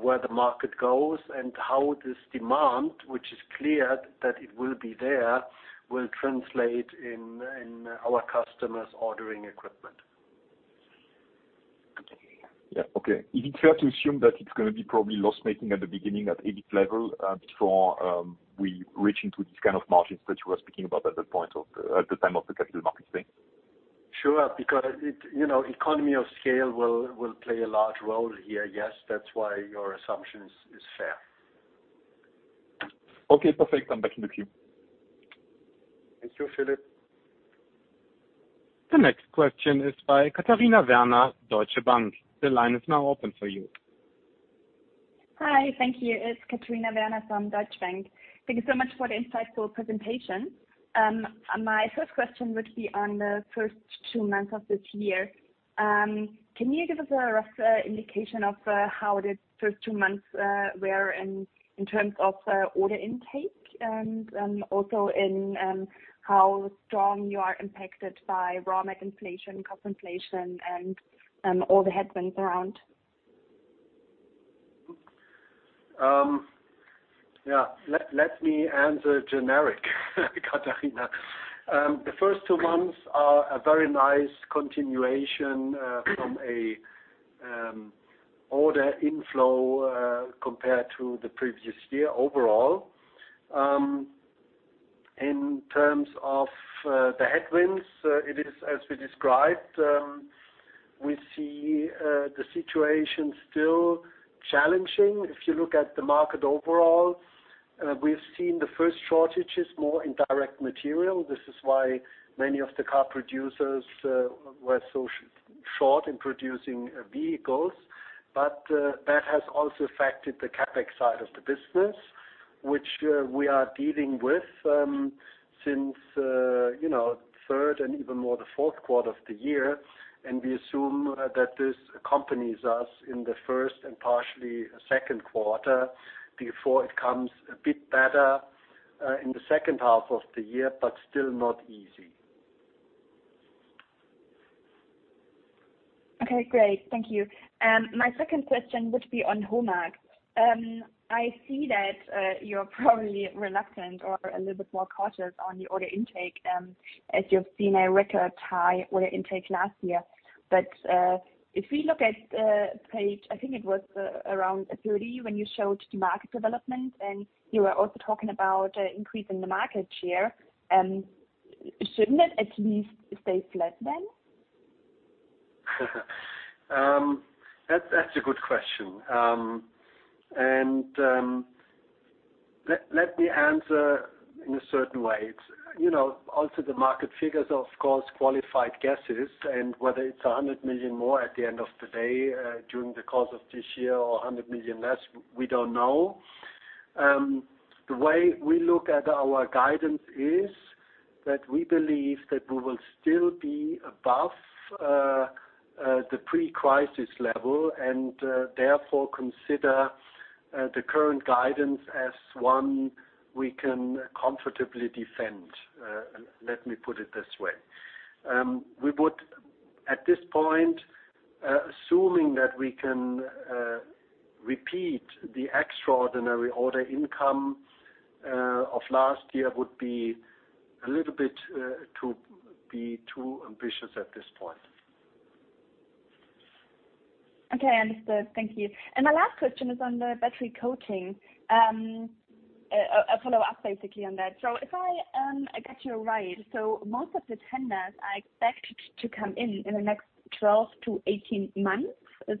where the market goes and how this demand, which is clear that it will be there, will translate in our customers ordering equipment. Yeah, okay. Is it fair to assume that it's gonna be probably loss-making at the EBIT level, before we reach into these kind of margins that you were speaking about at that point of the, at the time of the Capital Markets Day? Sure, because it, you know, economies of scale will play a large role here. Yes, that's why your assumption is fair. Okay, perfect. I'm back in the queue. Thank you, Philippe. The next question is by Katharina Werner, Deutsche Bank. The line is now open for you. Hi. Thank you. It's Katharina Werner from Deutsche Bank. Thank you so much for the insightful presentation. My first question would be on the first two months of this year. Can you give us a rough indication of how the first two months were in terms of order intake and also in how strong you are impacted by raw mat inflation, cost inflation, and all the headwinds around? Let me answer generically, Katharina. The first two months are a very nice continuation from order inflow compared to the previous year overall. In terms of the headwinds, it is as we described. We see the situation still challenging. If you look at the market overall, we've seen the first shortages more in direct material. This is why many of the car producers were so short in producing vehicles. That has also affected the CapEx side of the business, which we are dealing with since third and even more the fourth quarter of the year. We assume that this accompanies us in the first and partially second quarter before it comes a bit better in the second half of the year, but still not easy. Okay, great. Thank you. My second question would be on HOMAG. I see that you're probably reluctant or a little bit more cautious on the order intake, as you've seen a record high order intake last year. If we look at page, I think it was around 30, when you showed the market development, and you were also talking about increasing the market share. Shouldn't it at least stay flat then? That's a good question. Let me answer in a certain way. You know, also the market figures, of course, qualified guesses, and whether it's 100 million more at the end of the day, during the course of this year or 100 million less, we don't know. The way we look at our guidance is that we believe that we will still be above the pre-crisis level and therefore consider the current guidance as one we can comfortably defend, let me put it this way. We would at this point, assuming that we can repeat the extraordinary order income of last year, would be a little bit too ambitious at this point. Okay, understood. Thank you. My last question is on the battery coating. A follow-up basically on that. If I got you right, most of the tenders are expected to come in in the next 12-18 months. Is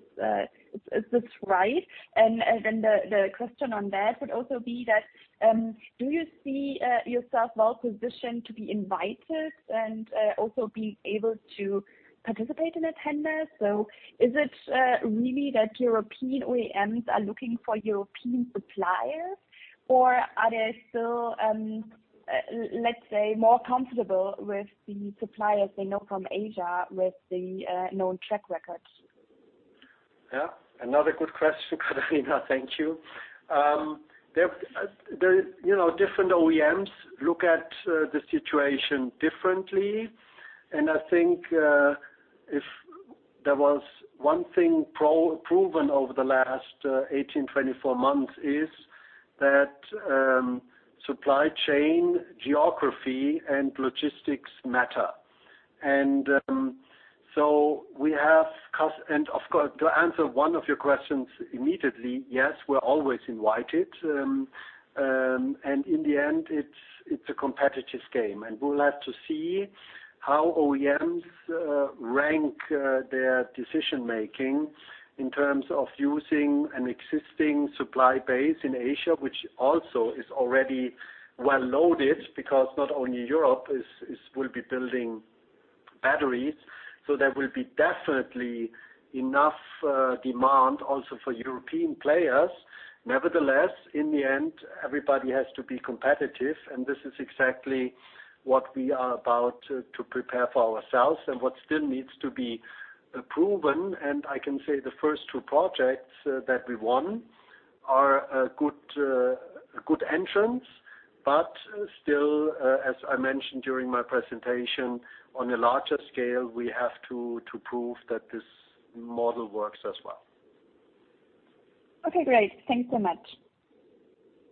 this right? The question on that would also be that, do you see yourself well-positioned to be invited and also being able to participate in the tender? Is it really that European OEMs are looking for European suppliers, or are they still, let's say, more comfortable with the suppliers they know from Asia with the known track record? Yeah. Another good question, Katharina. Thank you. You know, different OEMs look at the situation differently. I think if there was one thing proven over the last 18, 24 months is that supply chain, geography, and logistics matter. Of course, to answer one of your questions immediately, yes, we're always invited. In the end, it's a competitive game. We'll have to see how OEMs rank their decision-making in terms of using an existing supply base in Asia, which also is already well loaded because not only Europe will be building batteries. There will be definitely enough demand also for European players. Nevertheless, in the end, everybody has to be competitive, and this is exactly what we are about to prepare for ourselves and what still needs to be proven. I can say the first two projects that we won are a good entrance. Still, as I mentioned during my presentation, on a larger scale, we have to prove that this model works as well. Okay, great. Thanks so much.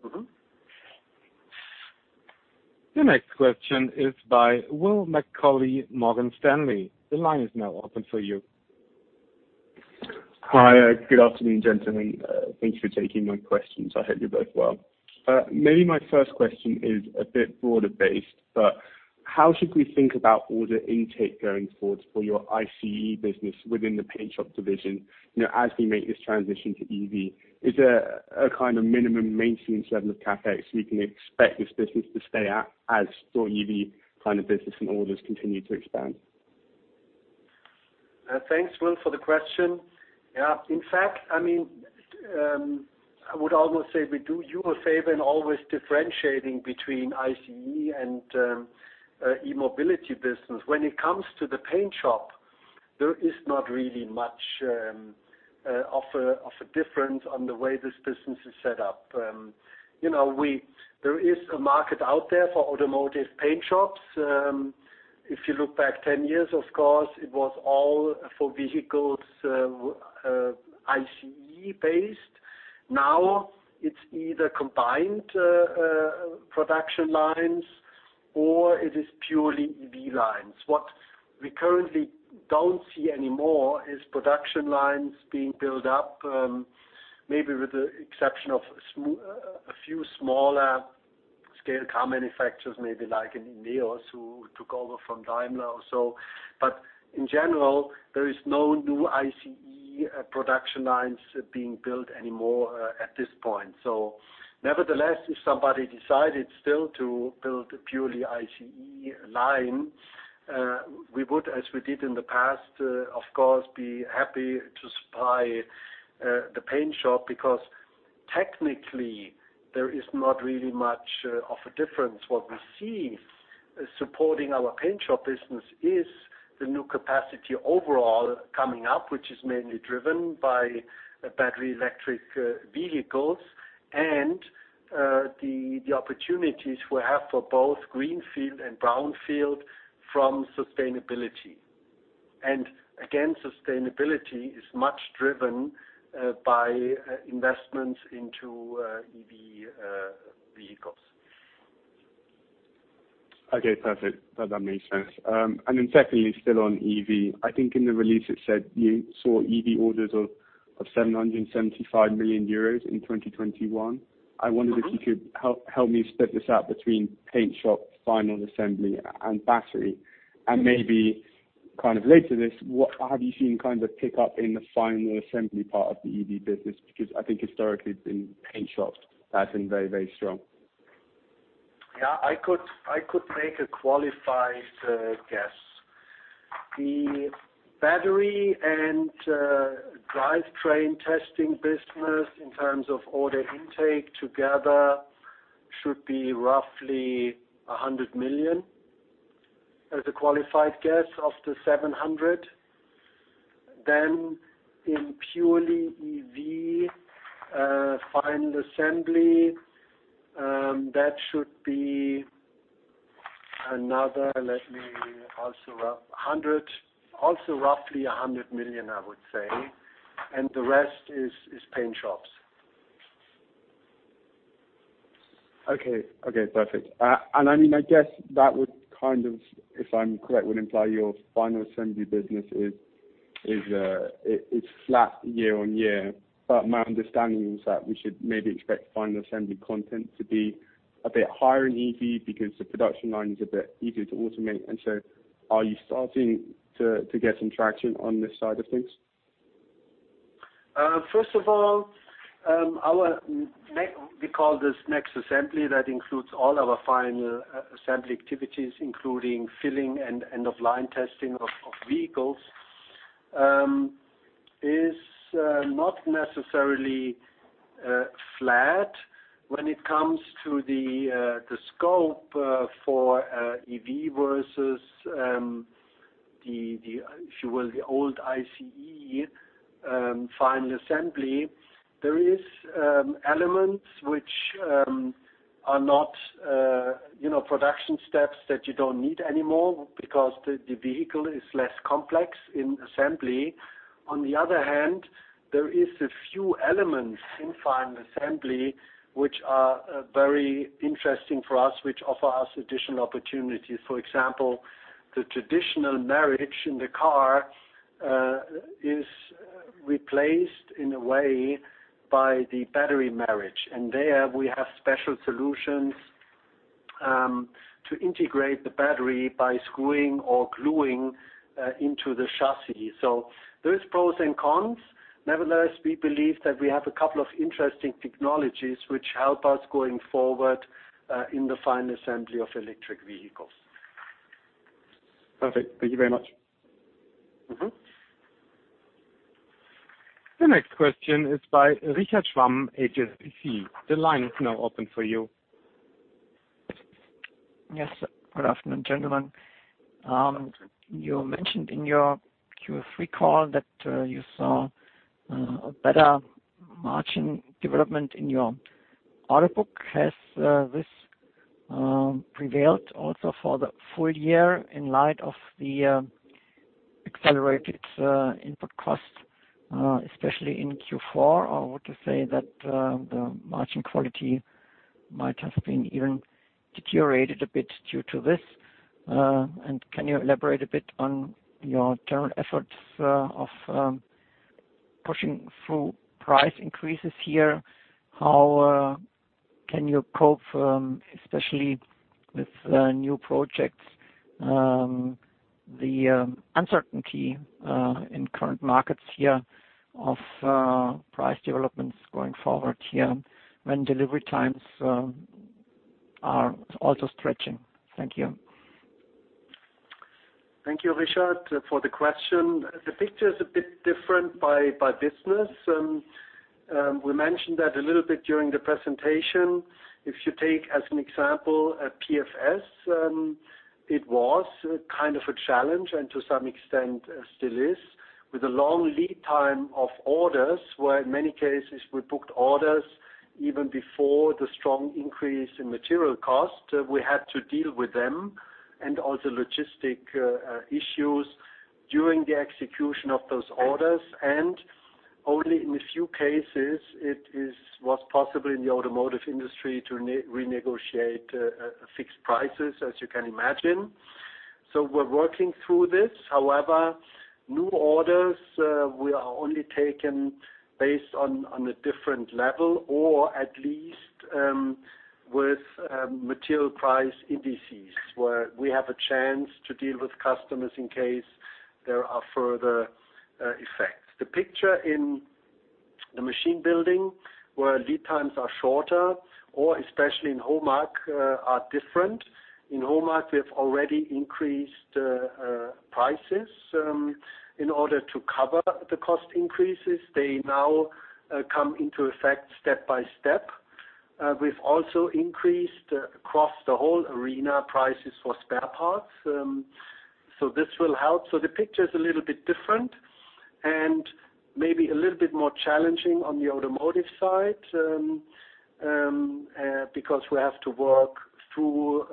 Mm-hmm. The next question is by Will [McCauley], Morgan Stanley. The line is now open for you. Hi. Good afternoon, gentlemen. Thank you for taking my questions. I hope you're both well. Maybe my first question is a bit broader based, but how should we think about order intake going forward for your ICE business within the paint shop division, you know, as we make this transition to EV? Is there a kind of minimum maintenance level of CapEx we can expect this business to stay at as your EV kind of business and orders continue to expand? Thanks, Will, for the question. Yeah, in fact, I mean, I would almost say we do you a favor in always differentiating between ICE and E-Mobility business. When it comes to the paint shop, there is not really much of a difference on the way this business is set up. You know, there is a market out there for automotive paint shops. If you look back 10 years, of course, it was all for vehicles, ICE-based. Now, it's either combined production lines, or it is purely EV lines. What we currently don't see anymore is production lines being built up, maybe with the exception of a few smaller scale car manufacturers, maybe like in NIO, who took over from Daimler or so. In general, there is no new ICE production lines being built anymore, at this point. Nevertheless, if somebody decided still to build a purely ICE line, we would, as we did in the past, of course, be happy to supply the paint shop because technically, there is not really much of a difference. What we see supporting our paint shop business is the new capacity overall coming up, which is mainly driven by battery electric vehicles and the opportunities we have for both greenfield and brownfield from sustainability. Again, sustainability is much driven by investments into EV vehicles. Okay, perfect. That now makes sense. Secondly, still on EV, I think in the release it said you saw EV orders of 775 million euros in 2021. I wondered. Mm-hmm. If you could help me split this out between paint shop, final assembly, and battery. I'm kind of late to this, what have you seen kind of pick up in the final assembly part of the EV business? Because I think historically it's been paint shops that's been very, very strong. Yeah, I could make a qualified guess. The battery and drivetrain testing business in terms of order intake together should be roughly 100 million as a qualified guess of the 700 million. In purely EV final assembly, that should be another roughly 100 million, I would say. The rest is paint shops. Okay. Okay, perfect. I mean, I guess that would kind of, if I'm correct, would imply your final assembly business is flat year-on-year. My understanding was that we should maybe expect final assembly content to be a bit higher in EV because the production line is a bit easier to automate. Are you starting to get some traction on this side of things? First of all, we call this NEXT.assembly that includes all our final assembly activities, including filling and end of line testing of vehicles, is not necessarily flat when it comes to the scope for EV versus the, if you will, the old ICE final assembly. There are elements which are not, you know, production steps that you don't need anymore because the vehicle is less complex in assembly. On the other hand, there are a few elements in final assembly which are very interesting for us, which offer us additional opportunities. For example, the traditional marriage in the car is replaced in a way by the battery marriage. There we have special solutions to integrate the battery by screwing or gluing into the chassis. There's pros and cons. Nevertheless, we believe that we have a couple of interesting technologies which help us going forward in the final assembly of electric vehicles. Perfect. Thank you very much. Mm-hmm. The next question is by Richard Schramm, HSBC. The line is now open for you. Yes, good afternoon, gentlemen. You mentioned in your Q3 call that you saw a better margin development in your order book. Has this prevailed also for the full year in light of the accelerated input costs, especially in Q4? Or would you say that the margin quality might have been even deteriorated a bit due to this? And can you elaborate a bit on your current efforts of pushing through price increases here? How can you cope, especially with new projects, the uncertainty in current markets here of price developments going forward here when delivery times are also stretching? Thank you. Thank you, Richard, for the question. The picture is a bit different by business. We mentioned that a little bit during the presentation. If you take as an example, a PFS, it was kind of a challenge and to some extent still is, with a long lead time of orders, where in many cases we booked orders even before the strong increase in material cost. We had to deal with them and also logistic issues during the execution of those orders. Only in a few cases, it was possible in the automotive industry to renegotiate fixed prices, as you can imagine. We're working through this. However, new orders we are only taking based on a different level, or at least, with material price indices, where we have a chance to deal with customers in case there are further effects. The picture in the machine building, where lead times are shorter, or especially in HOMAG, are different. In HOMAG, we have already increased prices in order to cover the cost increases. They now come into effect step by step. We've also increased across the whole arena prices for spare parts, so this will help. The picture is a little bit different and maybe a little bit more challenging on the automotive side, because we have to work through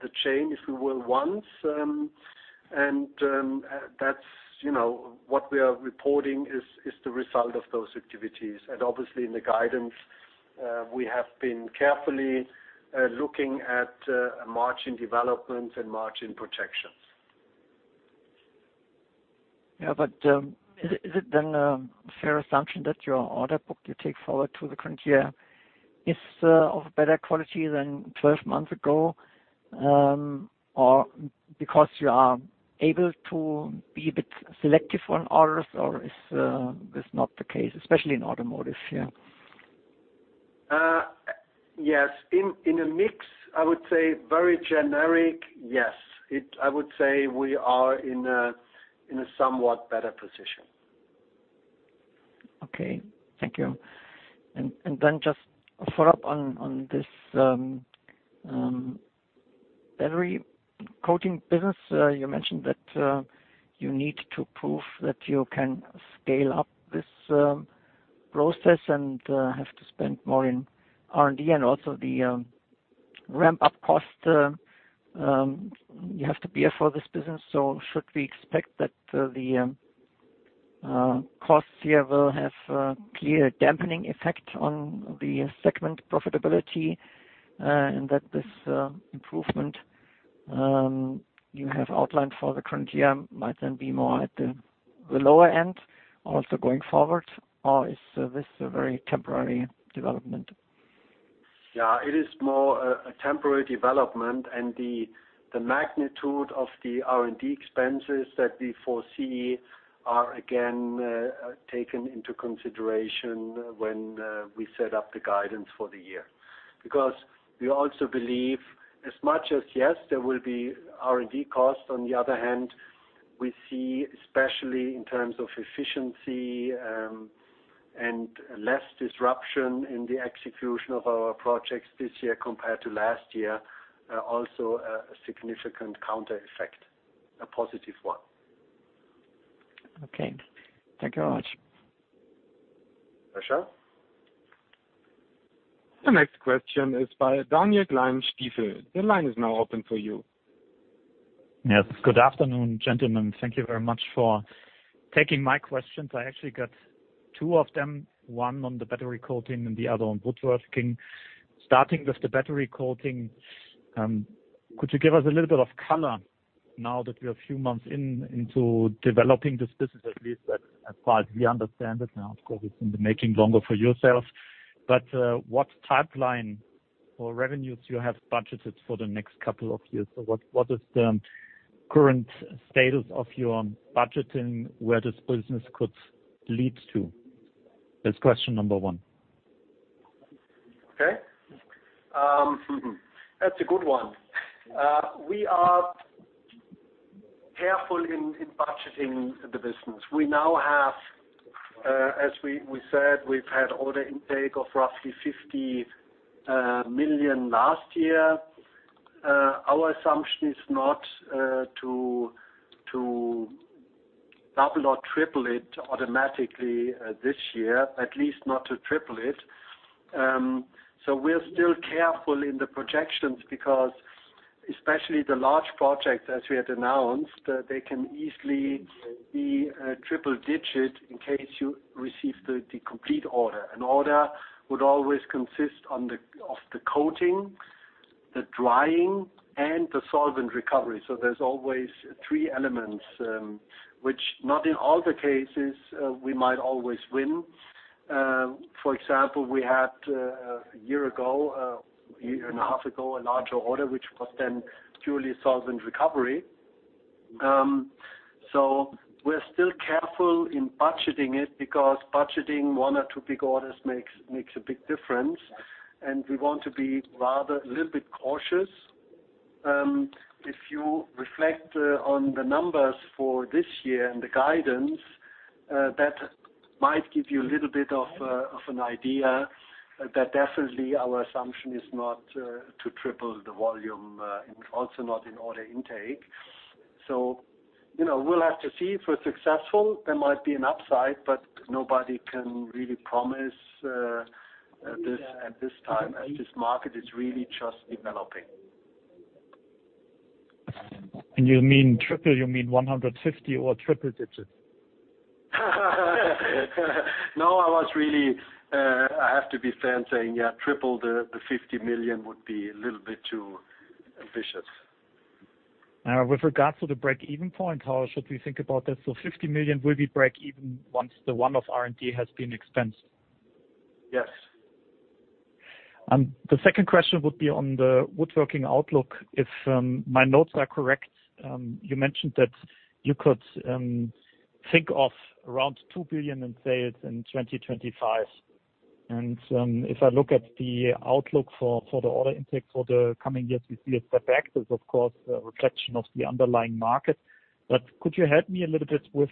the chain, if you will, once. That's, you know, what we are reporting is the result of those activities. Obviously in the guidance, we have been carefully looking at margin developments and margin projections. Is it then a fair assumption that your order book you take forward to the current year is of better quality than 12 months ago? Because you are able to be a bit selective on orders or is it not the case, especially in automotive here. Yes. In a mix, I would say very generic, yes. I would say we are in a somewhat better position. Okay. Thank you. Then just a follow-up on this battery coating business. You mentioned that you need to prove that you can scale up this process and have to spend more in R&D and also the ramp up cost you have to bear for this business. Should we expect that the costs here will have a clear dampening effect on the segment profitability, and that this improvement you have outlined for the current year might then be more at the lower end also going forward, or is this a very temporary development? Yeah, it is more a temporary development. The magnitude of the R&D expenses that we foresee are again taken into consideration when we set up the guidance for the year. Because we also believe as much as, yes, there will be R&D costs, on the other hand, we see, especially in terms of efficiency, and less disruption in the execution of our projects this year compared to last year, also a significant counter effect, a positive one. Okay. Thank you very much. Pleasure. The next question is by Daniel Klein, Stifel. The line is now open for you. Yes. Good afternoon, gentlemen. Thank you very much for taking my questions. I actually got two of them, one on the battery coating and the other on woodworking. Starting with the battery coating, could you give us a little bit of color now that we're a few months in, into developing this business, at least as far as we understand it now? Of course, it's in the making longer for yourself. What pipeline or revenues you have budgeted for the next couple of years? What is the current status of your budgeting, where this business could lead to? That's question number one. Okay. That's a good one. We are careful in budgeting the business. We now have, as we said, we've had order intake of roughly 50 million last year. Our assumption is not to double or triple it automatically this year, at least not to triple it. We're still careful in the projections because especially the large projects, as we had announced, they can easily be triple-digit in case you receive the complete order. An order would always consist of the coating, the drying, and the solvent recovery. There's always three elements, which not in all the cases we might always win. For example, we had a year ago, a year and a half ago, a larger order, which was then purely solvent recovery. We're still careful in budgeting it because budgeting one or two big orders makes a big difference, and we want to be rather a little bit cautious. If you reflect on the numbers for this year and the guidance, that might give you a little bit of an idea that definitely our assumption is not to triple the volume, and also not in order intake. You know, we'll have to see. If we're successful, there might be an upside, but nobody can really promise this at this time, as this market is really just developing. You mean triple, you mean 150 million or triple digits? No, I was really, I have to be fair in saying, yeah, triple the 50 million would be a little bit too ambitious. With regards to the break-even point, how should we think about that? 50 million will be break-even once the one-off R&D has been expensed. Yes. The second question would be on the woodworking outlook. If my notes are correct, you mentioned that you could think of around 2 billion in sales in 2025. If I look at the outlook for the order intake for the coming years, we see a step back. There's of course a reflection of the underlying market. Could you help me a little bit with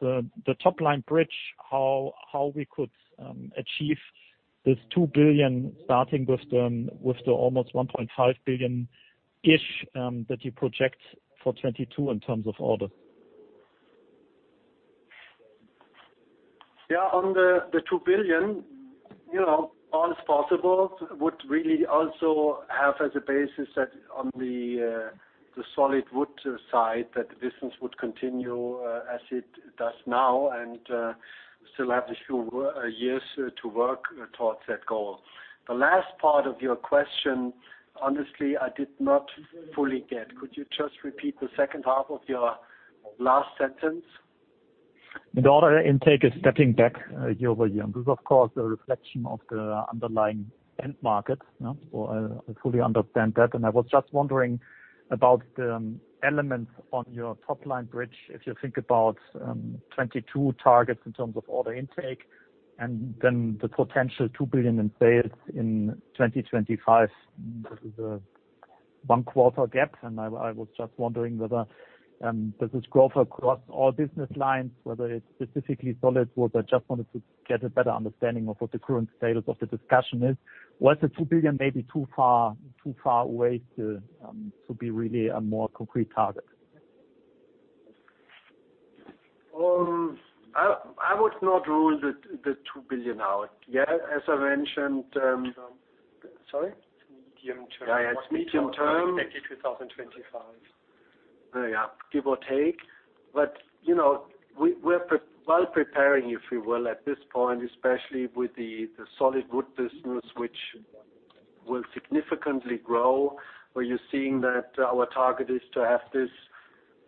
the top-line bridge, how we could achieve this 2 billion, starting with the almost 1.5 billion-ish that you project for 2022 in terms of order? Yeah. On the 2 billion, you know, all is possible. Would really also have as a basis that on the solid wood side, that the business would continue as it does now and we still have a few years to work towards that goal. The last part of your question, honestly, I did not fully get. Could you just repeat the second half of your last sentence? The order intake is stepping back year-over-year. This is, of course, a reflection of the underlying end markets, you know. I fully understand that. I was just wondering about the elements on your top-line bridge. If you think about 2022 targets in terms of order intake and then the potential 2 billion in sales in 2025, this is one quarter gap. I was just wondering whether does this growth across all business lines, whether it's specifically solid wood. I just wanted to get a better understanding of what the current status of the discussion is. Was the 2 billion maybe too far away to be really a more concrete target? I would not rule the 2 billion out. Yeah, as I mentioned. Sorry. It's medium term. Yeah, it's medium term. back in 2025. There you are. Give or take. You know, we're well preparing, if you will, at this point, especially with the solid wood business, which will significantly grow. Where you're seeing that our target is to have this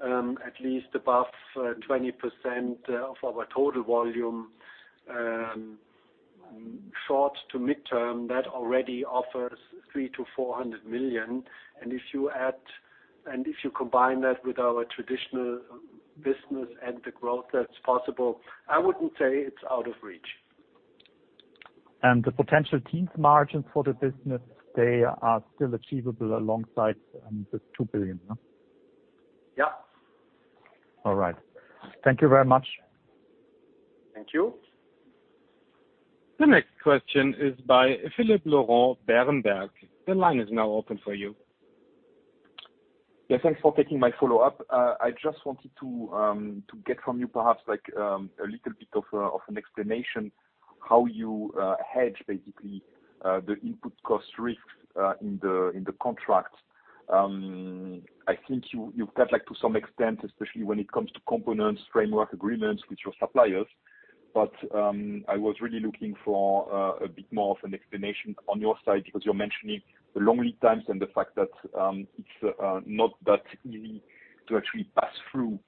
at least above 20% of our total volume short to midterm. That already offers 300 million-400 million. If you combine that with our traditional business and the growth that's possible, I wouldn't say it's out of reach. The potential teens margin for the business, they are still achievable alongside 2 billion. Yeah. All right. Thank you very much. Thank you. The next question is by Philippe Lorrain, Berenberg. The line is now open for you. Yeah, thanks for taking my follow-up. I just wanted to get from you perhaps like a little bit of an explanation how you hedge basically the input cost risk in the contract. I think you've got like to some extent, especially when it comes to components, framework agreements with your suppliers. I was really looking for a bit more of an explanation on your side because you're mentioning the long lead times and the fact that it's not that easy to actually pass through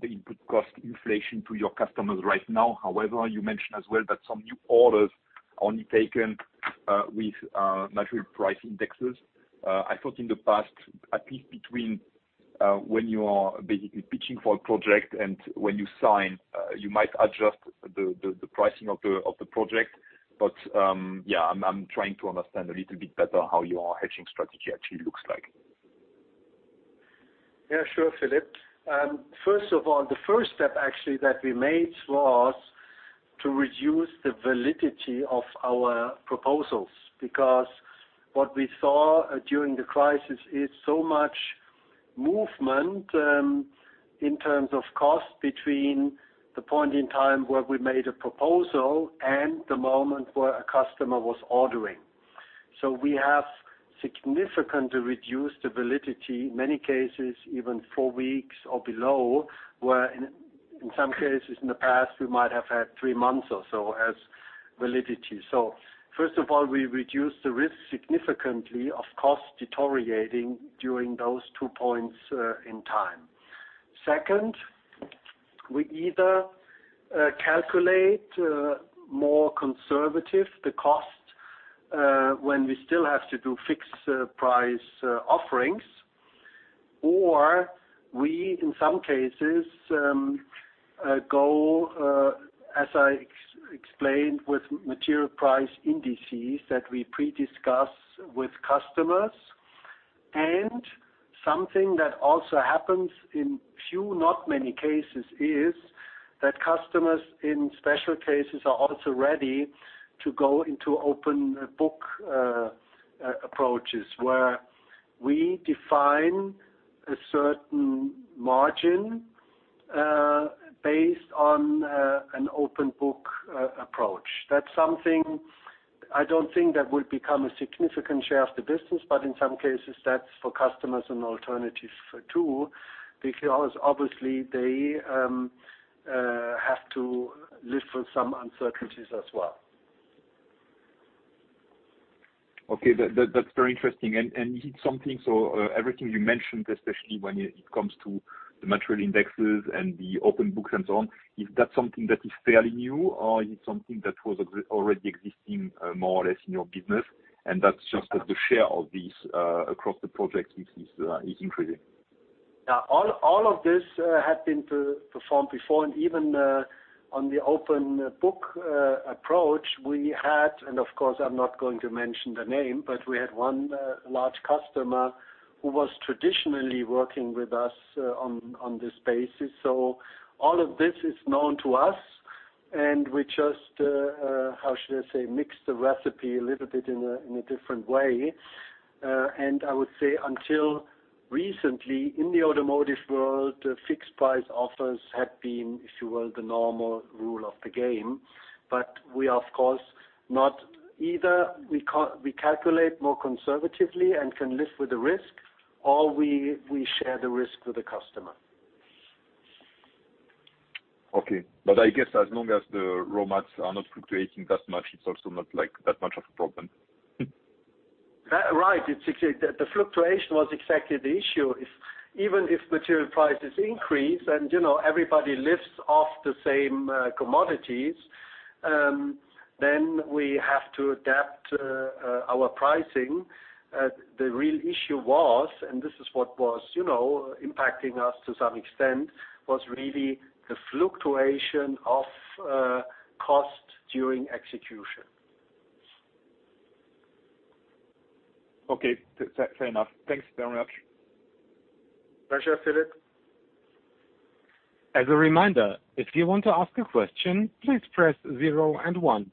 the input cost inflation to your customers right now. However, you mentioned as well that some new orders only taken with material price indexes. I thought in the past, at least between when you are basically pitching for a project and when you sign, you might adjust the pricing of the project. Yeah, I'm trying to understand a little bit better how your hedging strategy actually looks like. Yeah, sure, Philippe. First of all, the first step actually that we made was to reduce the validity of our proposals. Because what we saw during the crisis is so much movement in terms of cost between the point in time where we made a proposal and the moment where a customer was ordering. We have significantly reduced the validity, in many cases, even four weeks or below, where in some cases in the past, we might have had three months or so as validity. First of all, we reduced the risk significantly of cost deteriorating during those two points in time. Second, we either calculate more conservative the cost when we still have to do fixed price offerings. Or we, in some cases, go as I explained with material price indices that we pre-discuss with customers. Something that also happens in few, not many cases, is that customers in special cases are also ready to go into open book approaches, where we define a certain margin based on an open book approach. That's something I don't think that will become a significant share of the business, but in some cases, that's for customers an alternative for too, because obviously they have to live with some uncertainties as well. Okay. That's very interesting. Everything you mentioned, especially when it comes to the material indexes and the open books and so on, is that something that is fairly new, or is it something that was already existing, more or less in your business, and that's just that the share of these across the projects is increasing? All of this had been performed before. Even on the open book approach, we had, and of course, I'm not going to mention the name, but we had one large customer who was traditionally working with us on this basis. All of this is known to us and we just, how should I say, mix the recipe a little bit in a different way. I would say until recently in the automotive world, fixed price offers had been, if you will, the normal rule of the game. We, of course, calculate more conservatively and can live with the risk. All we share the risk with the customer. Okay. I guess as long as the raw mats are not fluctuating that much, it's also not, like, that much of a problem. Right. The fluctuation was exactly the issue. Even if material prices increase, and, you know, everybody lives off the same commodities, then we have to adapt our pricing. The real issue was, and this is what was, you know, impacting us to some extent, was really the fluctuation of cost during execution. Okay. Fair enough. Thanks very much. Pleasure, Philippe. As a reminder, if you want to ask a question, please press zero and one.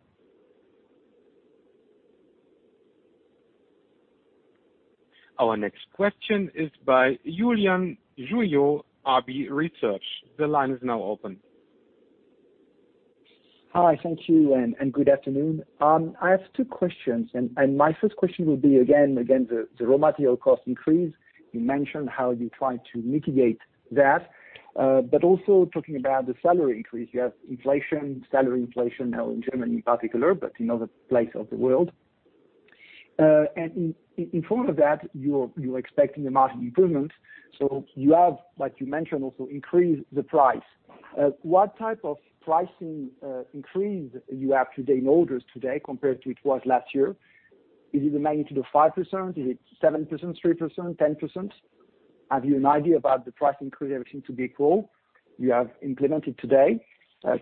Our next question is by Julian [Juilliard], [AB Research]. The line is now open. Hi. Thank you and good afternoon. I have two questions and my first question will be, again, the raw material cost increase. You mentioned how you try to mitigate that, but also talking about the salary increase. You have inflation, salary inflation now in Germany in particular, but in other places of the world. And in front of that, you're expecting a margin improvement, so you have, like you mentioned, also increase the price. What type of pricing increase you have today in orders today compared to it was last year? Is it in the magnitude of 5%? Is it 7%, 3%, 10%? Have you an idea about the price increase everything to be equal you have implemented today,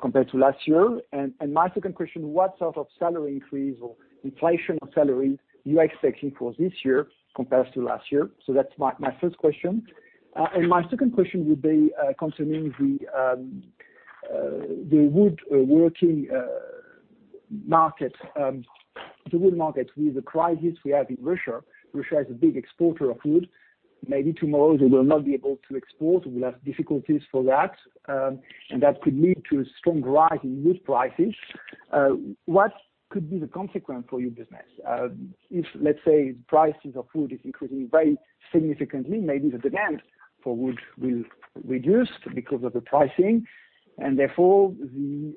compared to last year? My second question, what sort of salary increase or inflation of salary you are expecting for this year compared to last year? That's my first question. My second question would be concerning the woodworking market, the wood market. With the crisis we have in Russia is a big exporter of wood. Maybe tomorrow, they will not be able to export, will have difficulties for that, and that could lead to a strong rise in wood prices. What could be the consequence for your business? If, let's say, prices of wood is increasing very significantly, maybe the demand for wood will reduce because of the pricing, and therefore the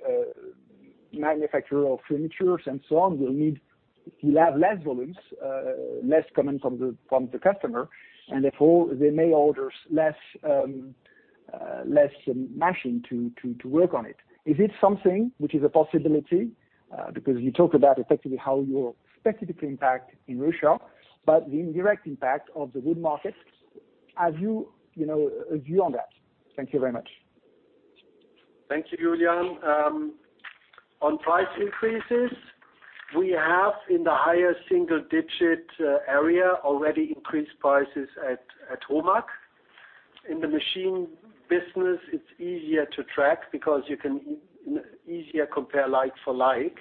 manufacturer of furniture and so on will need to have less volumes, less coming from the customer, and therefore they may order less, less machine to work on it. Is it something which is a possibility? Because you talk about effectively how you're specifically impacted in Russia, but the indirect impact of the wood market, have you know, a view on that? Thank you very much. Thank you, Julian. On price increases, we have in the higher single-digit area already increased prices at HOMAG. In the machine business, it's easier to track because you can easier compare like for like.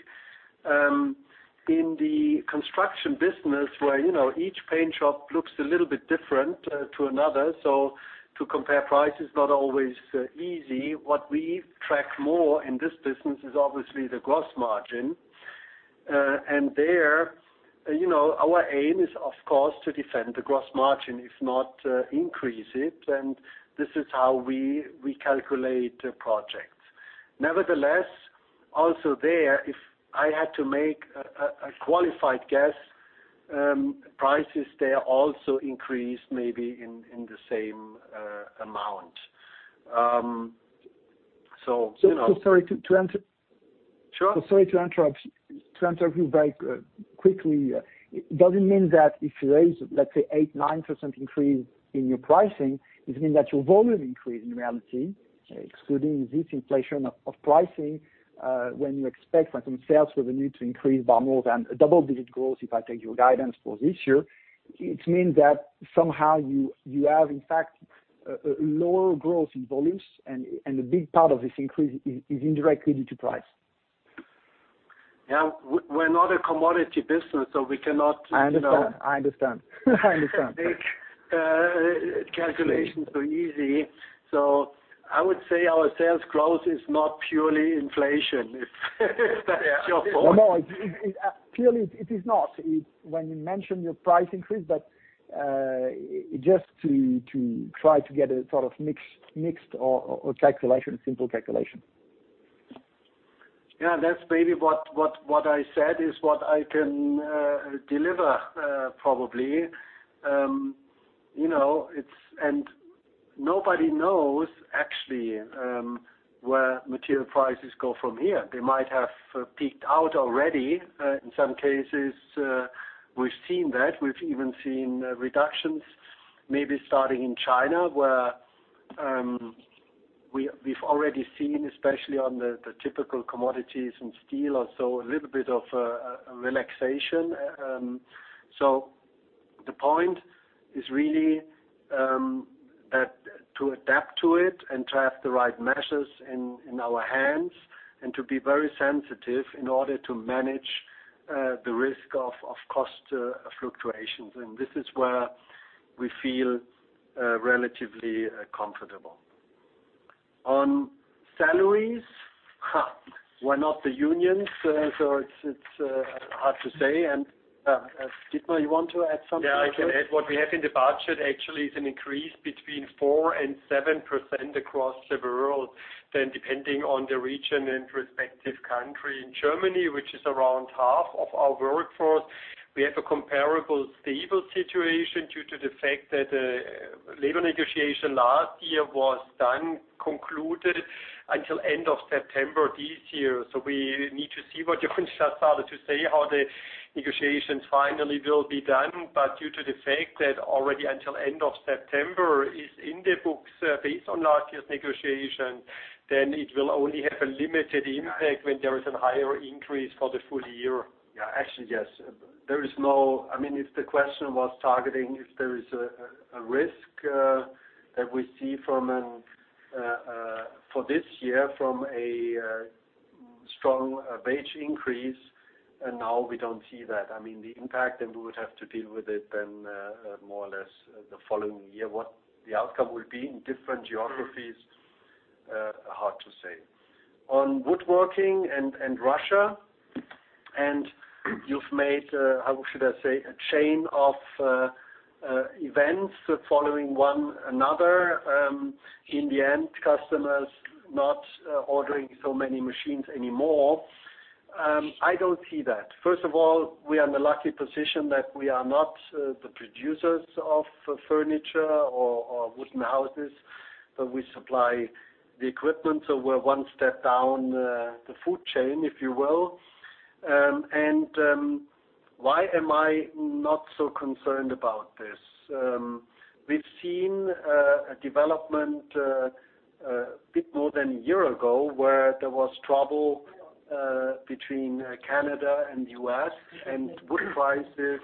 In the construction business where, you know, each paint shop looks a little bit different to another, so to compare price is not always easy. What we track more in this business is obviously the gross margin. There, you know, our aim is, of course, to defend the gross margin, if not increase it, and this is how we calculate the projects. Nevertheless, also there, if I had to make a qualified guess, prices there also increase maybe in the same amount. So, you know- Sorry to interrupt. Sure. Sorry to interrupt you very quickly. Does it mean that if you raise, let's say, 8%-9% increase in your pricing, it means that your volume increase in reality, excluding this inflation of pricing, when you expect for some sales revenue to increase by more than double-digit growth, if I take your guidance for this year, it means that somehow you have, in fact, a lower growth in volumes and a big part of this increase is indirectly due to price. Yeah. We're not a commodity business, so we cannot, you know. I understand. Make calculations so easy. I would say our sales growth is not purely inflation, if that's your point. No. It purely is not. It's when you mention your price increase, but just to try to get a sort of mix, mixed or calculation, simple calculation. Yeah. That's maybe what I said is what I can deliver, probably. You know, it's nobody knows actually where material prices go from here. They might have peaked out already. In some cases, we've seen that. We've even seen reductions maybe starting in China, where we've already seen, especially on the typical commodities and steel or so, a little bit of relaxation. The point is really that to adapt to it and to have the right measures in our hands and to be very sensitive in order to manage the risk of cost fluctuations. This is where we feel relatively comfortable. On salaries, we're not the unions, it's hard to say. Dietmar, you want to add something? Yeah, I can add. What we have in the budget actually is an increase between 4%-7% across several, then depending on the region and respective country. In Germany, which is around half of our workforce, we have a comparably stable situation due to the fact that labor negotiation last year was done, concluded until end of September this year. We need to see what to say how the negotiations finally will be done. Due to the fact that already until end of September is in the books, based on last year's negotiation, then it will only have a limited impact when there is a higher increase for the full year. Yeah, actually, yes. I mean, if the question was targeting if there is a risk that we see for this year from a strong wage increase, and now we don't see that. I mean, the impact, and we would have to deal with it then more or less the following year, what the outcome will be in different geographies, hard to say. On woodworking and Russia, and you've made, how should I say, a chain of events following one another, in the end, customers not ordering so many machines anymore, I don't see that. First of all, we are in the lucky position that we are not the producers of furniture or wooden houses, but we supply the equipment, so we're one step down the food chain, if you will. Why am I not so concerned about this? We've seen a development a bit more than a year ago, where there was trouble between Canada and U.S., and wood prices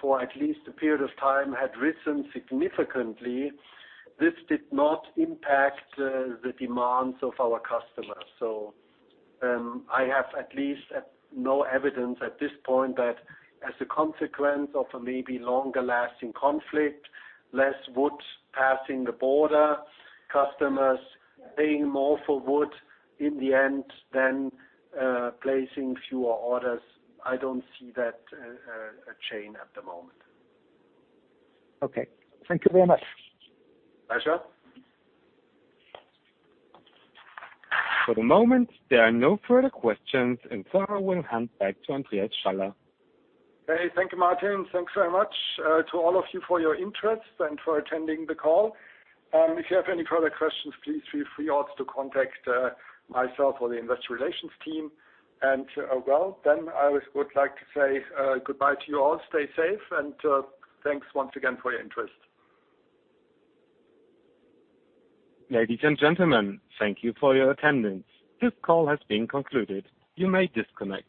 for at least a period of time had risen significantly. This did not impact the demands of our customers. I have at least no evidence at this point that as a consequence of a maybe longer-lasting conflict, less wood passing the border, customers paying more for wood in the end than placing fewer orders. I don't see that a chain at the moment. Okay. Thank you very much. Pleasure. For the moment, there are no further questions, and so I will hand back to Andreas Schaller. Okay, thank you, Martin. Thanks very much to all of you for your interest and for attending the call. If you have any further questions, please feel free also to contact myself or the investor relations team. Well, then I would like to say goodbye to you all. Stay safe, and thanks once again for your interest. Ladies and gentlemen, thank you for your attendance. This call has been concluded. You may disconnect.